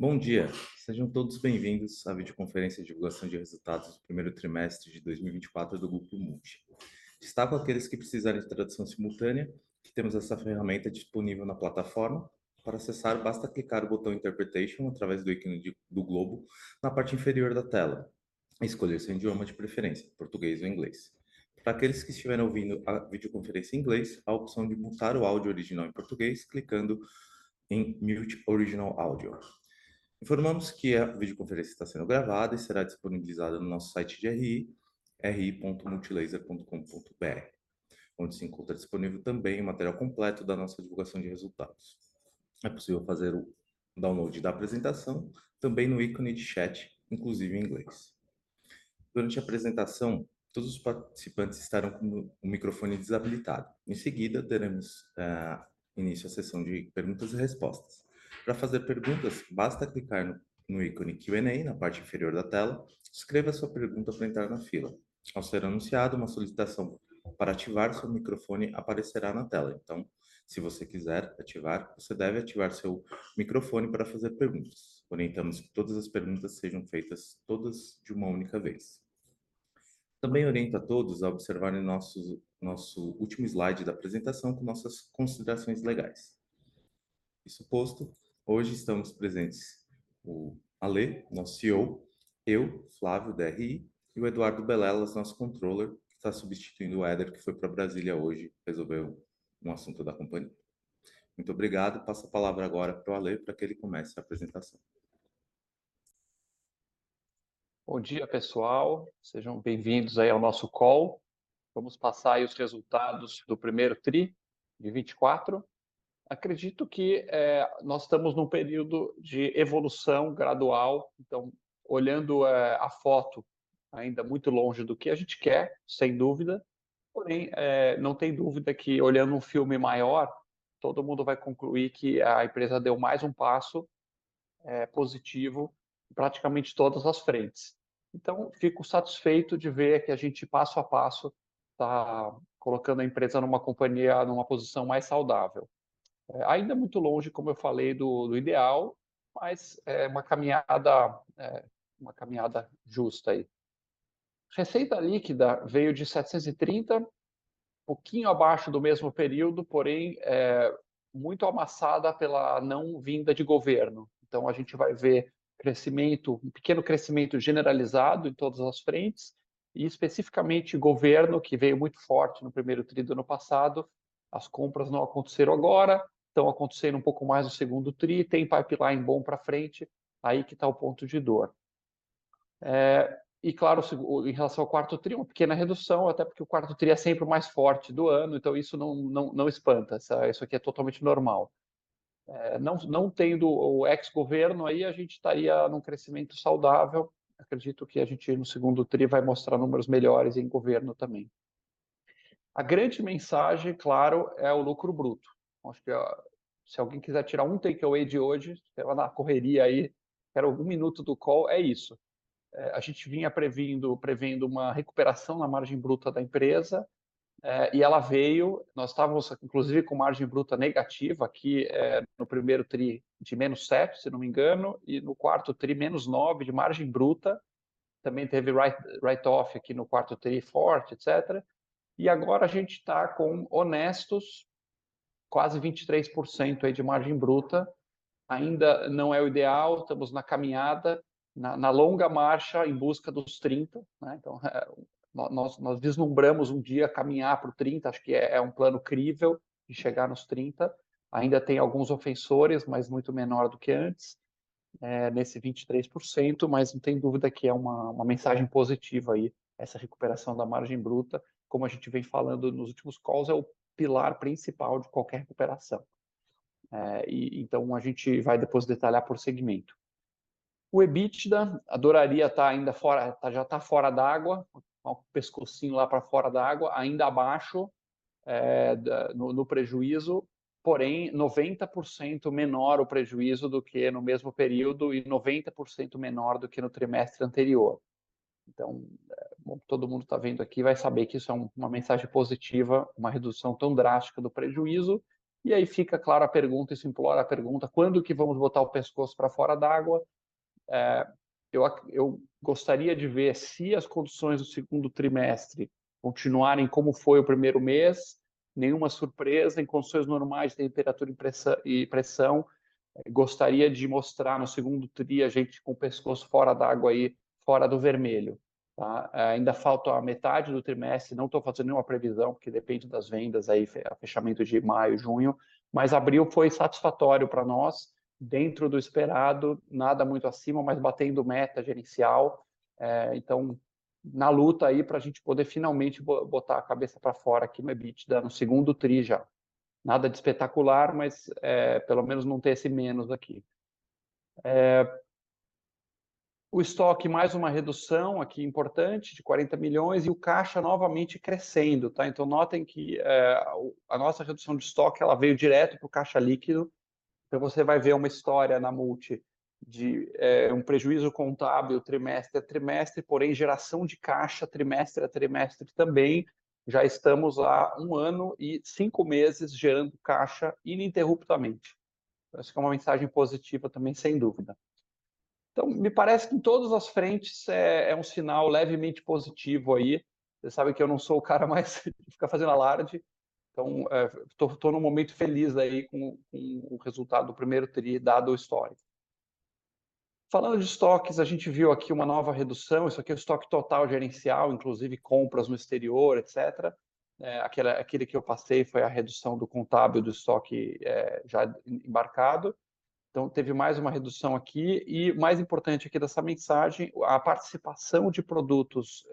Bom dia! Sejam todos bem-vindos à videoconferência de divulgação de resultados do primeiro trimestre de 2024 do Grupo Multi. Destaco àqueles que precisarem de tradução simultânea, que temos essa ferramenta disponível na plataforma. Para acessar, basta clicar no botão Interpretation, através do ícone do globo, na parte inferior da tela, e escolher seu idioma de preferência, português ou inglês. Para aqueles que estiverem ouvindo a videoconferência em inglês, há a opção de mutar o áudio original em português, clicando em "Mute Original Audio". Informamos que a videoconferência está sendo gravada e será disponibilizada no nosso site de RI: ri.multilaser.com.br, onde se encontra disponível também o material completo da nossa divulgação de resultados. É possível fazer o download da apresentação, também no ícone de chat, inclusive em inglês. Durante a apresentação, todos os participantes estarão com o microfone desabilitado. Em seguida, teremos início à sessão de perguntas e respostas. Para fazer perguntas, basta clicar no ícone Q&A, na parte inferior da tela, escreva sua pergunta para entrar na fila. Ao ser anunciado, uma solicitação para ativar seu microfone aparecerá na tela. Então, se você quiser ativar, você deve ativar seu microfone para fazer perguntas. Orientamos que todas as perguntas sejam feitas todas de uma única vez. Também oriento a todos a observarem nosso último slide da apresentação, com nossas considerações legais. Isso posto, hoje estamos presentes: o Alê, nosso CEO, eu, Flávio, da RI, e o Eduardo Belelas, nosso Controller, que está substituindo o Éder, que foi para Brasília hoje, resolver um assunto da companhia. Muito obrigado. Passo a palavra agora pro Alê, para que ele comece a apresentação. Bom dia, pessoal! Sejam bem-vindos ao nosso call. Vamos passar os resultados do primeiro trimestre de 2024. Acredito que nós estamos num período de evolução gradual, então olhando a foto ainda muito longe do que a gente quer, sem dúvida, porém não tem dúvida que olhando um filme maior, todo mundo vai concluir que a empresa deu mais um passo positivo, praticamente em todas as frentes. Então, fico satisfeito de ver que a gente, passo a passo, está colocando a empresa numa posição mais saudável. Ainda muito longe, como eu falei, do ideal, mas é uma caminhada justa. Receita líquida veio de R$ 730 milhões, um pouquinho abaixo do mesmo período, porém muito impactada pela não vinda de governo. Então a gente vai ver crescimento, um pequeno crescimento generalizado em todas as frentes, e especificamente governo, que veio muito forte no primeiro trimestre do ano passado, as compras não aconteceram agora, estão acontecendo um pouco mais no segundo trimestre, tem pipeline bom para frente, aí que está o ponto de dor. E claro, se em relação ao quarto trimestre, uma pequena redução, até porque o quarto trimestre é sempre o mais forte do ano, então isso não espanta, isso aqui é totalmente normal. Não tendo o ex-governo, aí a gente estaria num crescimento saudável. Acredito que a gente, no segundo trimestre, vai mostrar números melhores em governo também. A grande mensagem, claro, é o lucro bruto. Acho que se alguém quiser tirar um takeaway de hoje, pela correria aí, quero algum minuto do call, é isso. A gente vinha prevendo uma recuperação na margem bruta da empresa, e ela veio. Nós estávamos, inclusive, com margem bruta negativa, que é no primeiro trimestre, de -7%, se não me engano, e no quarto trimestre, -9% de margem bruta. Também teve write-off aqui no quarto trimestre, forte, etc. E agora a gente está com honestos, quase 23% aí de margem bruta. Ainda não é o ideal, estamos na caminhada, na longa marcha em busca dos 30%. Então nós deslumbramos um dia caminhar para os 30%, acho que é um plano crível, de chegar nos 30%. Ainda tem alguns ofensores, mas muito menor do que antes, é, nesse 23%, mas não tenho dúvida que é uma mensagem positiva aí, essa recuperação da margem bruta, como a gente vem falando nos últimos calls, é o pilar principal de qualquer recuperação. E então a gente vai depois detalhar por segmento. O EBITDA, adoraria tá ainda fora... já tá fora d'água, o pescocinho lá pra fora d'água, ainda abaixo, é, da, no prejuízo, porém, 90% menor o prejuízo do que no mesmo período e 90% menor do que no trimestre anterior. Então, como todo mundo tá vendo aqui, vai saber que isso é uma mensagem positiva, uma redução tão drástica do prejuízo. E aí fica clara a pergunta, isso implora a pergunta: quando que vamos botar o pescoço pra fora d'água? Eu gostaria de ver se as condições do segundo trimestre continuarem como foi o primeiro mês, nenhuma surpresa, em condições normais de temperatura e pressão. Gostaria de mostrar no segundo trimestre, a gente com o pescoço fora d'água, fora do vermelho, tá? Ainda falta a metade do trimestre, não estou fazendo nenhuma previsão, que depende das vendas, fechamento de maio e junho, mas abril foi satisfatório para nós, dentro do esperado, nada muito acima, mas batendo meta gerencial. Então, na luta para a gente poder finalmente botar a cabeça para fora, aqui no EBITDA, no segundo trimestre já. Nada de espetacular, mas pelo menos não tem esse menos aqui. O estoque, mais uma redução, aqui importante, de R$ 40 milhões, e o caixa novamente crescendo, tá? Então notem que a nossa redução de estoque ela veio direto pro caixa líquido, então você vai ver uma história na Multi de um prejuízo contábil trimestre a trimestre, porém, geração de caixa trimestre a trimestre também, já estamos há um ano e cinco meses gerando caixa ininterruptamente. Essa que é uma mensagem positiva também, sem dúvida. Então, me parece que em todas as frentes é um sinal levemente positivo aí, vocês sabem que eu não sou o cara mais de ficar fazendo alarde, então estou num momento feliz aí, com o resultado do primeiro trimestre dado, histórico. Falando de estoques, a gente viu aqui uma nova redução, isso aqui é o estoque total gerencial, inclusive compras no exterior, etc. Aquele que eu passei foi a redução do contábil, do estoque já embarcado. Então teve mais uma redução aqui, e o mais importante aqui dessa mensagem, a participação de produtos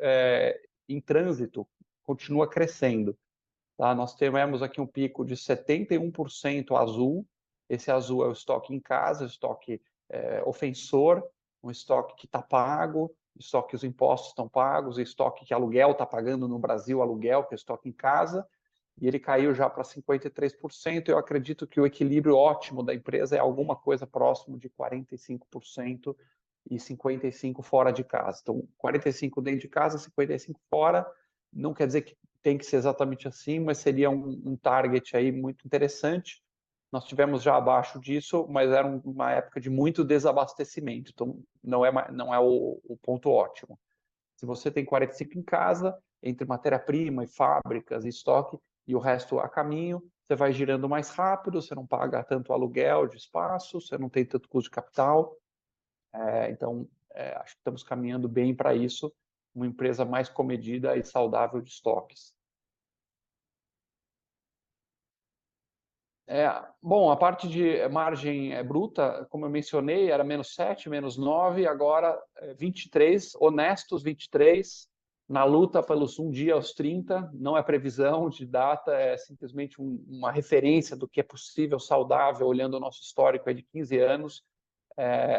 em trânsito continua crescendo. Nós tivemos aqui um pico de 71% azul, esse azul é o estoque em casa, o estoque ofensor, um estoque que está pago, estoque que os impostos estão pagos, estoque que aluguel está pagando no Brasil, que é o estoque em casa, e ele caiu já para 53%. Eu acredito que o equilíbrio ótimo da empresa é alguma coisa próximo de 45% e 55% fora de casa. Então, 45% dentro de casa, 55% fora, não quer dizer que tem que ser exatamente assim, mas seria um target muito interessante. Nós tivemos já abaixo disso, mas era uma época de muito desabastecimento, então não é o ponto ótimo. Se você tem 45 em casa, entre matéria-prima e fábricas, estoque e o resto a caminho, você vai girando mais rápido, você não paga tanto aluguel de espaço, você não tem tanto custo de capital. Então, acho que estamos caminhando bem para isso, uma empresa mais comedida e saudável de estoques. Bom, a parte de margem bruta, como eu mencionei, era menos 7%, menos 9%, agora 23%, honestos 23%. Na luta, falamos um dia, aos 30%, não é previsão de data, é simplesmente uma referência do que é possível, saudável, olhando o nosso histórico aí de 15 anos,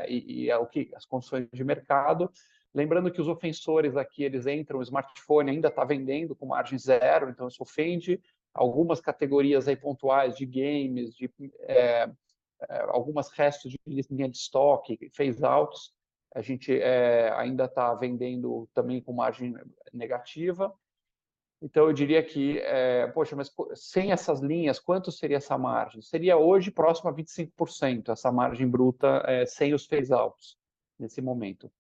e é o que as condições de mercado permitem. Lembrando que os ofensores aqui, eles entram, o smartphone ainda está vendendo com margem zero, então isso ofende algumas categorias aí pontuais de games, de algumas restos de linha de estoque, phase outs, a gente ainda está vendendo também com margem negativa. Então eu diria que é: "poxa, mas sem essas linhas, quanto seria essa margem?" Seria hoje próximo a 25%, essa margem bruta, sem os phase outs, nesse momento.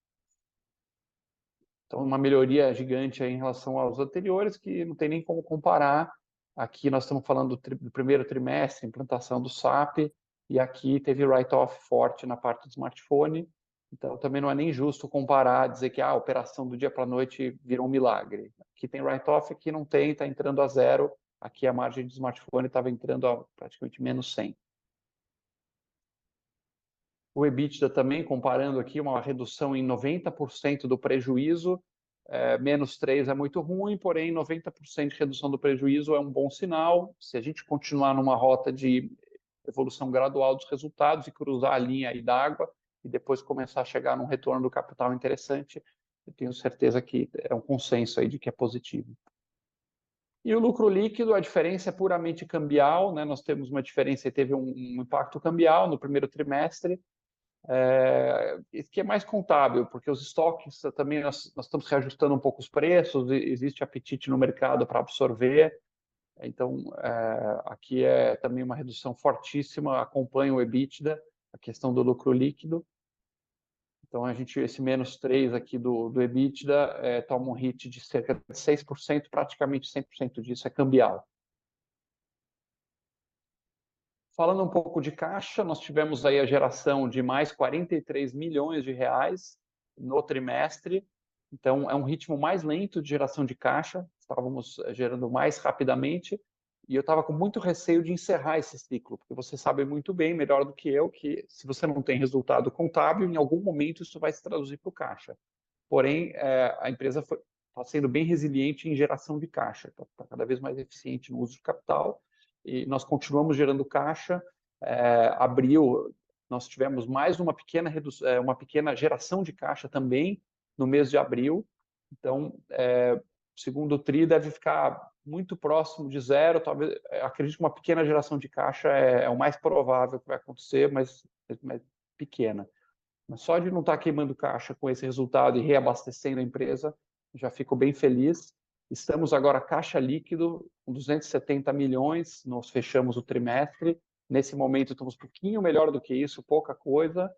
Então uma melhoria gigante aí em relação aos anteriores, que não tem nem como comparar. Aqui nós estamos falando do primeiro trimestre, implantação do SAP, e aqui teve write-off forte na parte do smartphone, então também não é nem justo comparar, dizer que: "ah, a operação do dia para noite virou um milagre." Aqui tem write-off, aqui não tem, está entrando a zero, aqui a margem de smartphone estava entrando a praticamente menos 100%. O EBITDA também, comparando aqui, uma redução em 90% do prejuízo. Menos três é muito ruim, porém 90% de redução do prejuízo é um bom sinal. Se a gente continuar numa rota de evolução gradual dos resultados e cruzar a linha aí d'água, e depois começar a chegar num retorno do capital interessante, eu tenho certeza que é um consenso aí, de que é positivo. O lucro líquido, a diferença é puramente cambial, né? Nós temos uma diferença, e teve um impacto cambial no primeiro trimestre que é mais contábil, porque os estoques também nós estamos reajustando um pouco os preços, existe apetite no mercado para absorver. Então aqui é também uma redução fortíssima, acompanha o EBITDA, a questão do lucro líquido. Então, a gente, esse menos três aqui do EBITDA, é, toma um hit de cerca de 6%, praticamente 100% disso é cambial. Falando um pouco de caixa, nós tivemos aí a geração de mais R$ 43 milhões no trimestre, então é um ritmo mais lento de geração de caixa, estávamos gerando mais rapidamente, e eu estava com muito receio de encerrar esse ciclo, porque você sabe muito bem, melhor do que eu, que se você não tem resultado contábil, em algum momento isso vai se traduzir pro caixa. Porém, a empresa foi, está sendo bem resiliente em geração de caixa, está cada vez mais eficiente no uso de capital, e nós continuamos gerando caixa. É, abril, nós tivemos mais uma pequena redução, é, uma pequena geração de caixa também no mês de abril, então, é, segundo trimestre deve ficar muito próximo de zero, talvez acredito que uma pequena geração de caixa é, é o mais provável que vai acontecer, mas, mas pequena. Mas só de não estar queimando caixa com esse resultado e reabastecendo a empresa, já fico bem feliz. Estamos agora caixa líquido, R$ 270 milhões, nós fechamos o trimestre. Nesse momento, estamos um pouquinho melhor do que isso, pouca coisa.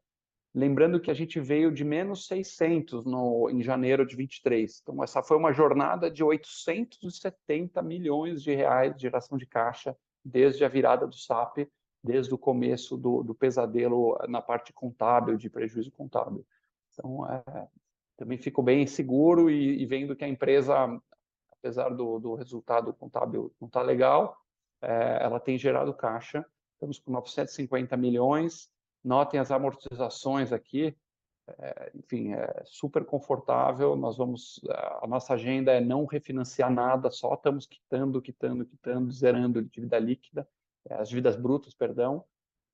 Lembrando que a gente veio de menos R$ 600 milhões no em janeiro de 2023. Então essa foi uma jornada de R$ 870 milhões de reais de geração de caixa, desde a virada do SAP, desde o começo do, do pesadelo na parte contábil, de prejuízo contábil. Então, também fico bem seguro e vendo que a empresa, apesar do resultado contábil não estar legal, ela tem gerado caixa. Estamos com R$ 950 milhões. Notem as amortizações aqui, enfim, é super confortável. Nós vamos, a nossa agenda é não refinanciar nada, só estamos quitando, quitando, quitando, zerando dívida líquida, as dívidas brutas, perdão.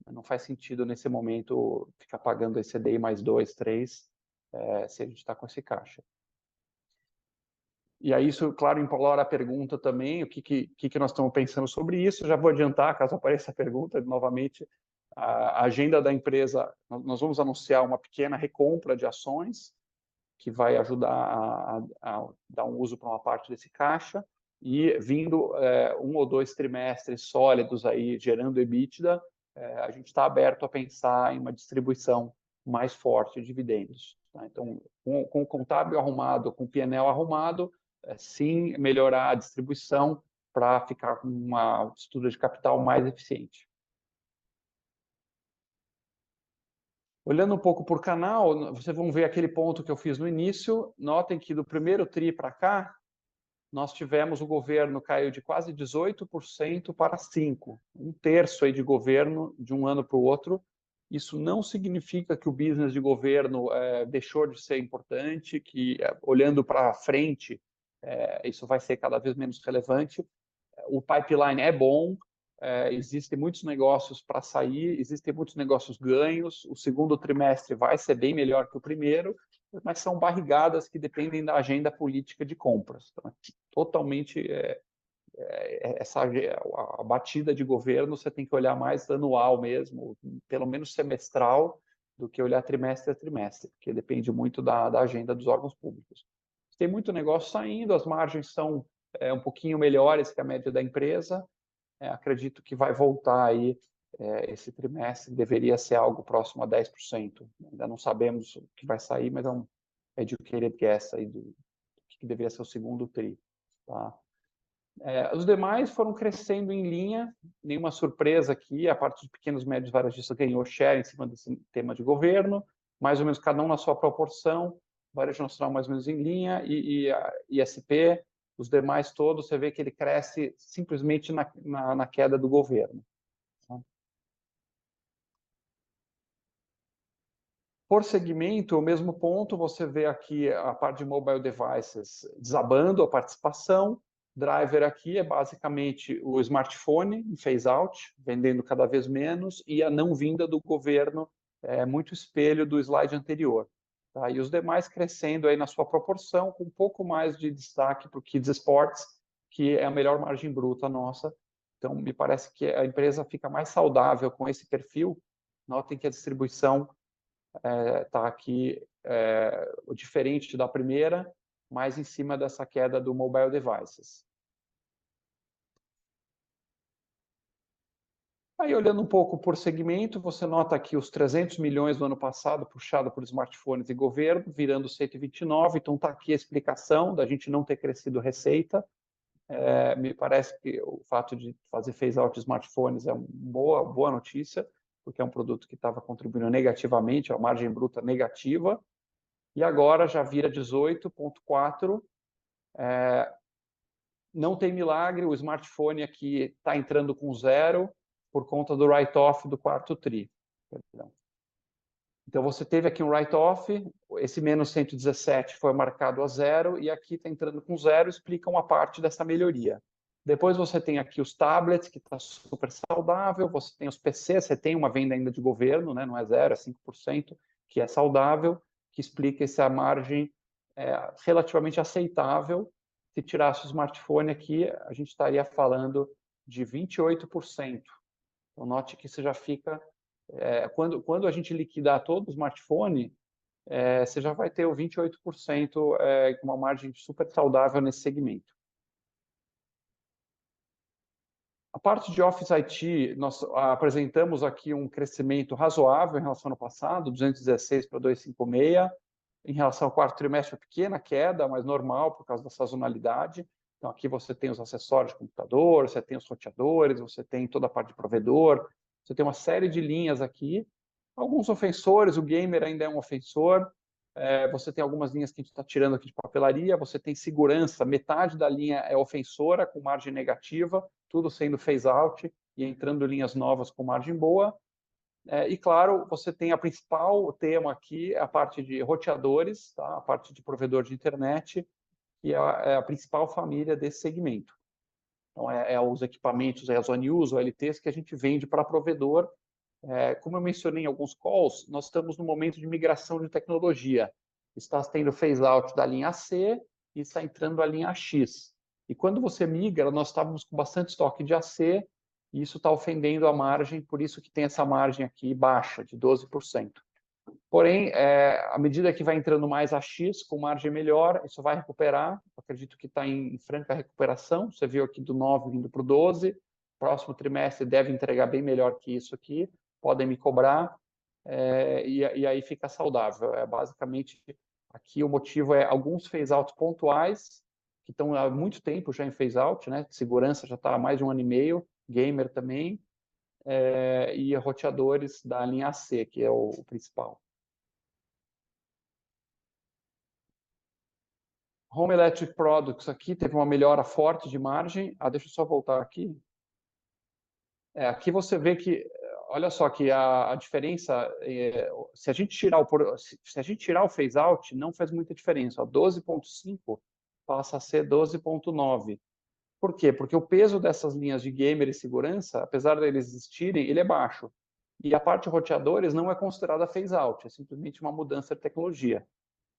Não faz sentido, nesse momento, ficar pagando esse CDI mais dois, três, se a gente está com esse caixa. E aí isso, claro, empolora a pergunta também, o que que nós estamos pensando sobre isso? Já vou adiantar, caso apareça a pergunta novamente, a agenda da empresa, nós vamos anunciar uma pequena recompra de ações, que vai ajudar a dar uso para uma parte desse caixa, e vindo um ou dois trimestres sólidos aí gerando EBITDA, a gente está aberto a pensar em uma distribuição mais forte de dividendos, né? Então, com o contábil arrumado, com o PNL arrumado, sim, melhorar a distribuição para ficar com uma estrutura de capital mais eficiente. Olhando um pouco por canal, vocês vão ver aquele ponto que eu fiz no início. Notem que do primeiro tri para cá, nós tivemos o governo caiu de quase 18% para 5%, um terço aí de governo, de um ano para outro. Isso não significa que o business de governo deixou de ser importante, que olhando para frente, isso vai ser cada vez menos relevante. O pipeline é bom, existem muitos negócios para sair, existem muitos negócios ganhos, o segundo trimestre vai ser bem melhor que o primeiro, mas são barrigadas que dependem da agenda política de compras. Totalmente, essa batida de governo, você tem que olhar mais anual mesmo, pelo menos semestral, do que olhar trimestre a trimestre, porque depende muito da agenda dos órgãos públicos. Tem muito negócio saindo, as margens são um pouquinho melhores que a média da empresa, acredito que vai voltar aí, esse trimestre, deveria ser algo próximo a 10%. Ainda não sabemos o que vai sair, mas é um educated guess aí do que deveria ser o segundo trimestre, tá? É, os demais foram crescendo em linha, nenhuma surpresa aqui. A parte dos pequenos e médios varejistas ganhou share em cima desse tema de governo, mais ou menos cada um na sua proporção. Varejo nacional mais ou menos em linha, e a ISP, os demais todos, você vê que ele cresce simplesmente na queda do governo, tá? Por segmento, o mesmo ponto. Você vê aqui a parte de mobile devices desabando a participação. Driver aqui é basicamente o smartphone, phase out, vendendo cada vez menos, e a não vinda do governo é muito espelho do slide anterior, tá? Os demais crescendo aí na sua proporção, com um pouco mais de destaque pro Kids e Sports, que é a melhor margem bruta nossa. Então me parece que a empresa fica mais saudável com esse perfil. Notem que a distribuição está aqui, é diferente da primeira, mais em cima dessa queda do mobile devices. Olhando um pouco por segmento, você nota que os R$ 300 milhões do ano passado, puxado por smartphones e governo, virando R$ 129 milhões, então está aqui a explicação da gente não ter crescido receita. Me parece que o fato de fazer phase out de smartphones é uma boa notícia, porque é um produto que estava contribuindo negativamente, a margem bruta negativa, e agora já vira 18,4%. Não tem milagre, o smartphone aqui está entrando com zero, por conta do write off do quarto trimestre. Então você teve aqui um write off, esse menos R$ 117 milhões foi marcado a zero, e aqui está entrando com zero, explica uma parte dessa melhoria. Depois você tem aqui os tablets, que está supersaudável, você tem os PCs, você tem uma venda ainda de governo, né, não é zero, é 5%, que é saudável, que explica essa margem relativamente aceitável. Se tirasse o smartphone aqui, a gente estaria falando de 28%. Note que você já fica quando a gente liquidar todo o smartphone, você já vai ter o 28% com uma margem supersaudável nesse segmento. A parte de Office IT, nós apresentamos aqui um crescimento razoável em relação ao ano passado, 216 para 256. Em relação ao quarto trimestre, uma pequena queda, mas normal, por causa da sazonalidade. Então aqui você tem os acessórios de computador, você tem os roteadores, você tem toda a parte de provedor, você tem uma série de linhas aqui, alguns ofensores, o gamer ainda é um ofensor. Você tem algumas linhas que a gente está tirando aqui de papelaria, você tem segurança, metade da linha é ofensora, com margem negativa, tudo sendo phase out e entrando linhas novas com margem boa. E claro, você tem a principal tema aqui, a parte de roteadores. A parte de provedor de internet, que é a principal família desse segmento. Então são os equipamentos, são as ONUs, OLTs, que a gente vende para provedor. Como eu mencionei em alguns calls, nós estamos no momento de migração de tecnologia. Está tendo o phase out da linha AC e está entrando a linha AX. E quando você migra, nós estávamos com bastante estoque de AC, e isso está afetando a margem, por isso que tem essa margem aqui baixa, de 12%. Porém, à medida que vai entrando mais AX, com margem melhor, isso vai recuperar, acredito que está em franca recuperação. Você viu aqui do nove vindo para o 12, próximo trimestre deve entregar bem melhor que isso aqui, podem me cobrar, e aí fica saudável. Basicamente, aqui o motivo é alguns phase out pontuais, que estão há muito tempo já em phase out, né? Segurança já está há mais de um ano e meio, gamer também, e roteadores da linha AC, que é o principal. Home Electric Products, aqui, teve uma melhora forte de margem. Deixa eu só voltar aqui. Aqui você vê que, olha só, que a diferença, se a gente tirar o phase out, não faz muita diferença, 12.5% passa a ser 12.9%. Por quê? Porque o peso dessas linhas de gamer e segurança, apesar deles existirem, ele é baixo. A parte de roteadores não é considerada phase out, é simplesmente uma mudança de tecnologia.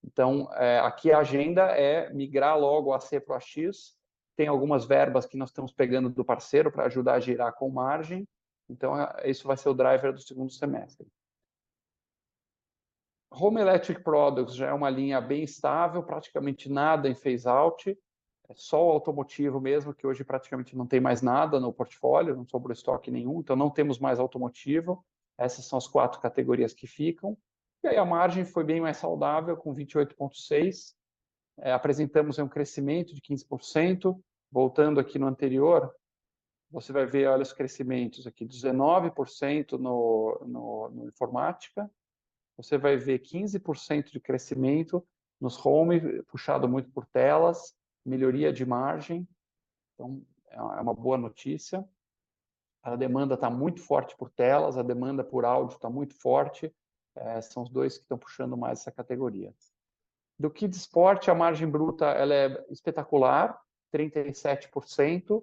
Então, aqui a agenda é migrar logo o AC pro AX, tem algumas verbas que nós estamos pegando do parceiro para ajudar a girar com margem, então esse vai ser o driver do segundo semestre. Home Electric Products já é uma linha bem estável, praticamente nada em phase out, só o automotivo mesmo, que hoje praticamente não tem mais nada no portfólio, não sobrou estoque nenhum, então não temos mais automotivo. Essas são as quatro categorias que ficam, e aí a margem foi bem mais saudável, com 28,6%. Apresentamos aí um crescimento de 15%. Voltando aqui no anterior, você vai ver, olha os crescimentos aqui, 19% na informática, você vai ver 15% de crescimento nos home, puxado muito por telas, melhoria de margem, então é uma boa notícia. A demanda está muito forte por telas, a demanda por áudio está muito forte, são os dois que estão puxando mais essa categoria. Do Kids Esporte, a margem bruta ela é espetacular, 37%.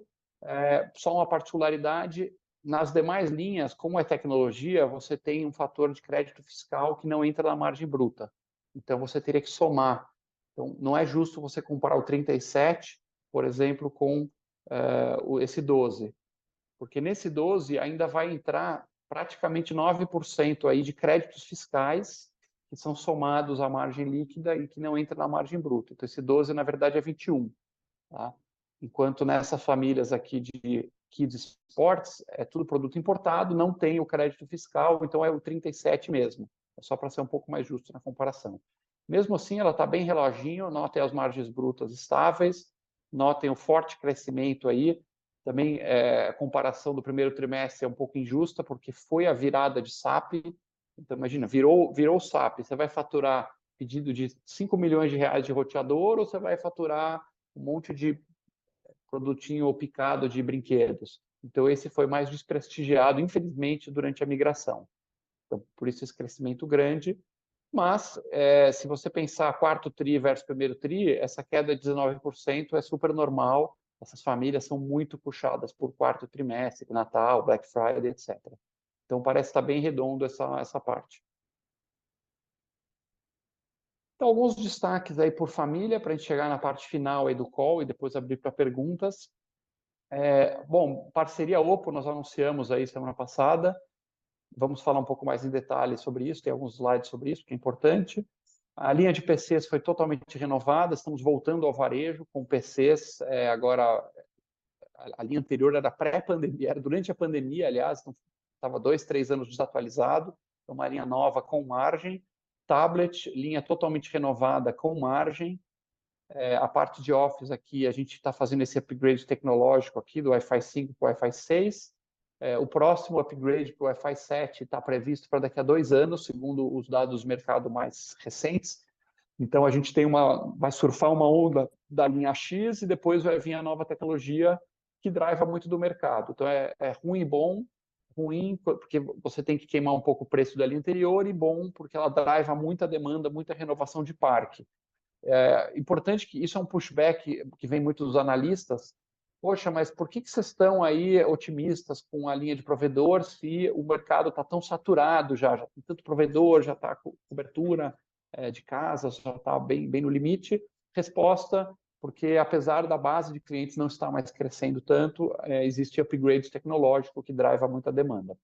Só uma particularidade, nas demais linhas, como é tecnologia, você tem um fator de crédito fiscal que não entra na margem bruta, então você teria que somar. Então não é justo você comparar o 37%, por exemplo, com esse 12%, porque nesse 12% ainda vai entrar praticamente 9% aí de créditos fiscais, que são somados à margem líquida e que não entra na margem bruta. Então esse 12%, na verdade, é 21%, tá? Enquanto nessa família aqui de Kids Esportes, é tudo produto importado, não tem o crédito fiscal, então é o 37% mesmo, só para ser um pouco mais justo na comparação. Mesmo assim, ela está bem redondinha, notem as margens brutas estáveis, notem o forte crescimento aí também. A comparação do primeiro trimestre é um pouco injusta, porque foi a virada de SAP. Então imagina, virou o SAP, você vai faturar pedido de R$ 5 milhões de roteador ou você vai faturar um monte de produtinho picado de brinquedos? Então esse foi mais desprestigiado, infelizmente, durante a migração. Então por isso esse crescimento grande, mas se você pensar quarto tri versus primeiro tri, essa queda de 19% é supernormal, essas famílias são muito puxadas por quarto trimestre, Natal, Black Friday, etc. Então parece estar bem redondo essa parte. Então alguns destaques por família, para a gente chegar na parte final do call e depois abrir para perguntas. Bom, parceria Oppo, nós anunciamos semana passada, vamos falar um pouco mais em detalhes sobre isso, tem alguns slides sobre isso, que é importante. A linha de PCs foi totalmente renovada, estamos voltando ao varejo com PCs, agora a linha anterior era pré-pandemia, era durante a pandemia, aliás, estava dois, três anos desatualizada, então uma linha nova com margem, tablet, linha totalmente renovada com margem, a parte de Office, aqui, a gente está fazendo esse upgrade tecnológico aqui, do Wi-Fi 5 para o Wi-Fi 6. O próximo upgrade pro Wi-Fi 7 está previsto para daqui a dois anos, segundo os dados do mercado mais recentes. Então a gente tem uma... vai surfar uma onda da linha AX e depois vai vir a nova tecnologia, que driva muito do mercado. Então é ruim e bom: ruim, porque você tem que queimar um pouco o preço da linha anterior, e bom, porque ela driva muita demanda, muita renovação de parque. É importante, que isso é um pushback, que vem muito dos analistas: "Poxa, mas por que vocês estão aí otimistas com a linha de provedor, se o mercado está tão saturado já? Já tem tanto provedor, já está com cobertura de casas, já está bem, bem no limite". Resposta: porque apesar da base de clientes não estar mais crescendo tanto, existe upgrade tecnológico, que driva muita demanda.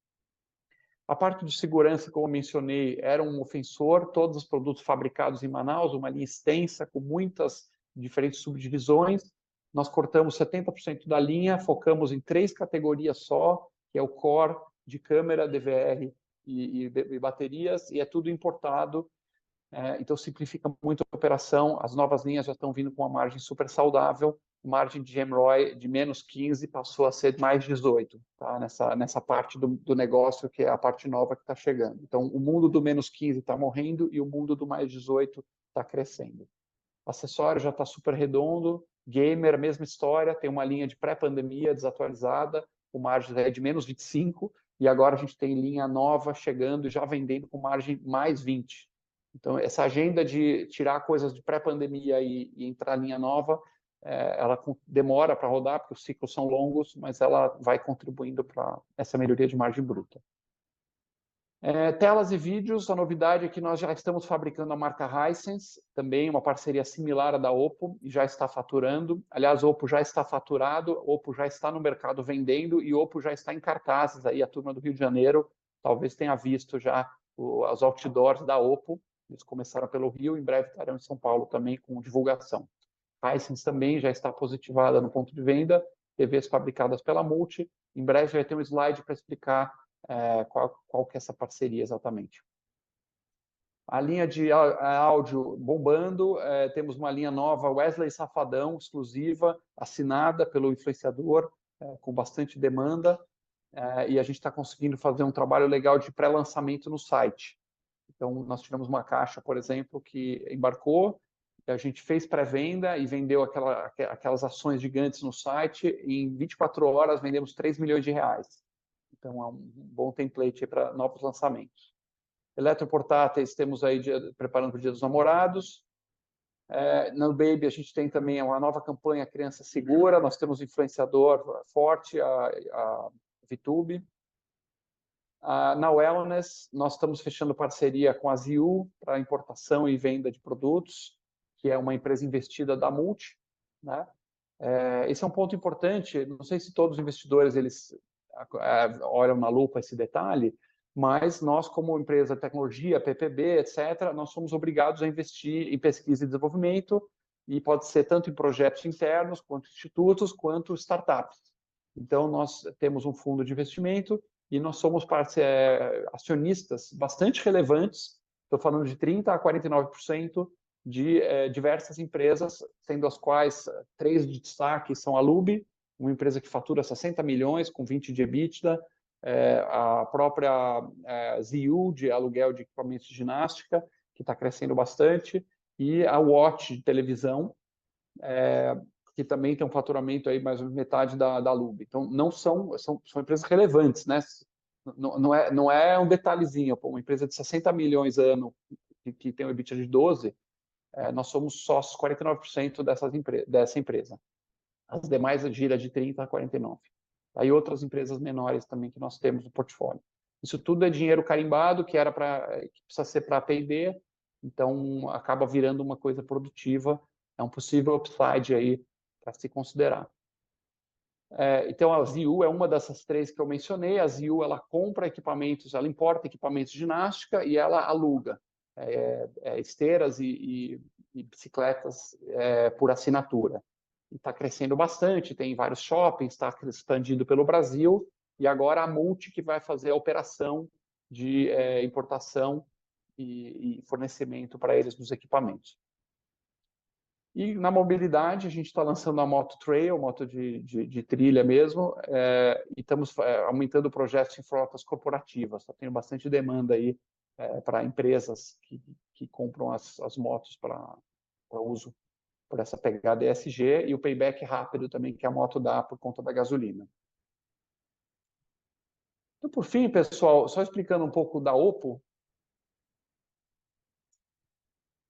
A parte de segurança, como mencionei, era um ofensor, todos os produtos fabricados em Manaus, uma linha extensa, com muitas diferentes subdivisões. Nós cortamos 70% da linha, focamos em três categorias só, que é o core de câmera, DVR e baterias, e é tudo importado, então simplifica muito a operação. As novas linhas já estão vindo com uma margem supersaudável, margem de GMROI de menos 15%, passou a ser mais 18%. Nessa parte do negócio, que é a parte nova que está chegando. Então, o mundo do menos 15% está morrendo e o mundo do mais 18% está crescendo. Acessório já está superredondo, gamer, a mesma história, tem uma linha de pré-pandemia desatualizada, a margem é de menos 25%, e agora a gente tem linha nova chegando, já vendendo com margem mais 20%. Então, essa agenda de tirar coisas de pré-pandemia e entrar linha nova, ela demora para rodar, porque os ciclos são longos, mas ela vai contribuindo para essa melhoria de margem bruta. Telas e vídeos, a novidade é que nós já estamos fabricando a marca Hisense, também uma parceria similar à da Oppo, e já está faturando. Aliás, Oppo já está faturado, Oppo já está no mercado vendendo e Oppo já está em cartazes, aí a turma do Rio de Janeiro talvez tenha visto já os outdoors da Oppo. Eles começaram pelo Rio, em breve estarão em São Paulo também com divulgação. Hisense também já está positivada no ponto de venda, TVs fabricadas pela Multi, em breve vai ter um slide para explicar qual que é essa parceria exatamente. A linha de áudio bombando, temos uma linha nova, Wesley Safadão, exclusiva, assinada pelo influenciador, com bastante demanda, e a gente está conseguindo fazer um trabalho legal de pré-lançamento no site. Então nós tivemos uma caixa, por exemplo, que embarcou, a gente fez pré-venda e vendeu aquelas ações gigantes no site, e em 24 horas vendemos R$ 3 milhões. Então é um bom template aí para novos lançamentos. Eletroportáteis, temos aí preparando para o Dia dos Namorados. Na Baby, a gente tem também uma nova campanha, Criança Segura, nós temos influenciador forte, a ViTube. Na Wellness, nós estamos fechando parceria com a Ziu, para importação e venda de produtos, que é uma empresa investida da Multi, né? É, esse é um ponto importante, não sei se todos os investidores olham na lupa esse detalhe, mas nós, como empresa de tecnologia, PPB, etc, nós somos obrigados a investir em pesquisa e desenvolvimento, e pode ser tanto em projetos internos, quanto institutos, quanto startups. Então nós temos um fundo de investimento e nós somos acionistas bastante relevantes, estou falando de 30% a 49% de diversas empresas, sendo as quais três de destaque são a Lube, uma empresa que fatura R$ 60 milhões, com R$ 20 milhões de EBITDA, a própria Ziu, de aluguel de equipamentos de ginástica, que está crescendo bastante, e a Watch de televisão, que também tem um faturamento aí, mais ou menos metade da Lube. Então são empresas relevantes, né? Não, não é, não é um detalhezinho, pô, uma empresa de R$60 milhões ano, que tem um EBITDA de 12, nós somos sócios, 49% dessa empresa. As demais, a gira de 30 a 49. Outras empresas menores também, que nós temos no portfólio. Isso tudo é dinheiro carimbado, que era pra que precisa ser pra perder, então acaba virando uma coisa produtiva, é um possível upside aí, pra se considerar. Então a Ziu é uma dessas três que eu mencionei. A Ziu, ela compra equipamentos, ela importa equipamentos de ginástica e ela aluga esteiras e bicicletas por assinatura. Está crescendo bastante, tem vários shoppings, está expandindo pelo Brasil, e agora a Multi, que vai fazer a operação de importação e fornecimento pra eles, dos equipamentos. E na mobilidade, a gente está lançando a moto Trail, moto de trilha mesmo, e estamos aumentando o projeto em frotas corporativas. Está tendo bastante demanda aí para empresas que compram as motos para uso, por essa pegada ESG e o payback rápido também, que a moto dá por conta da gasolina. E por fim, pessoal, só explicando um pouco da Oppo.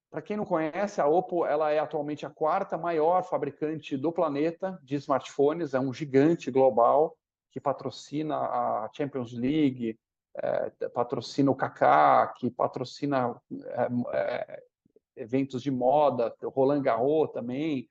Para quem não conhece, a Oppo ela é atualmente a quarta maior fabricante do planeta de smartphones, é um gigante global, que patrocina a Champions League, patrocina o Kaká, que patrocina eventos de moda, o Roland Garros também.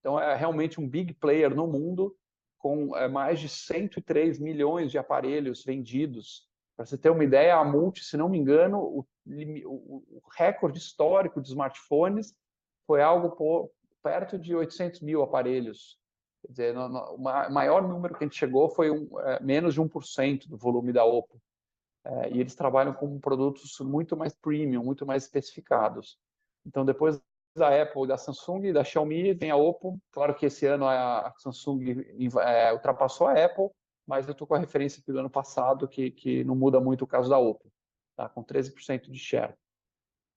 Então é realmente um big player no mundo, com mais de 103 milhões de aparelhos vendidos. Para você ter uma ideia, a Multi, se não me engano, o recorde histórico de smartphones foi algo perto de 800 mil aparelhos. Quer dizer, o maior número que a gente chegou foi menos de 1% do volume da Oppo. E eles trabalham com produtos muito mais premium, muito mais especificados. Então depois da Apple, da Samsung e da Xiaomi, tem a Oppo. Claro que esse ano a Samsung ultrapassou a Apple, mas eu estou com a referência do ano passado, que não muda muito o caso da Oppo, tá? Com 13% de share.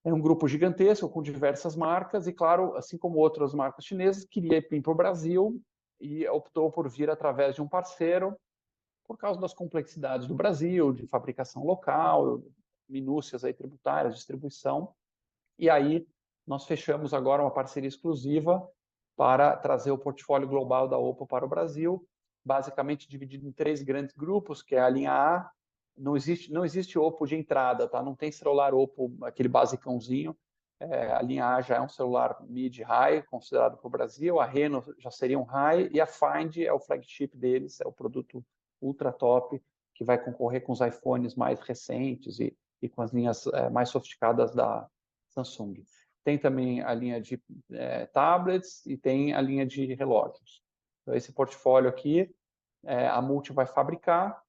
É um grupo gigantesco, com diversas marcas, e claro, assim como outras marcas chinesas, queria vir pro Brasil e optou por vir através de um parceiro, por causa das complexidades do Brasil, de fabricação local, minúcias tributárias, distribuição. E aí, nós fechamos agora uma parceria exclusiva para trazer o portfólio global da Oppo para o Brasil, basicamente dividido em três grandes grupos, que é a linha A. Não existe Oppo de entrada, tá? Não tem celular Oppo, aquele basicãozinho. A linha A já é um celular mid-high, considerado pro Brasil, a Reno já seria um high, e a Find é o flagship deles, é o produto ultra top, que vai concorrer com os iPhones mais recentes e com as linhas mais sofisticadas da Samsung. Tem também a linha de tablets e tem a linha de relógios. Esse portfólio aqui, a Multi vai fabricar.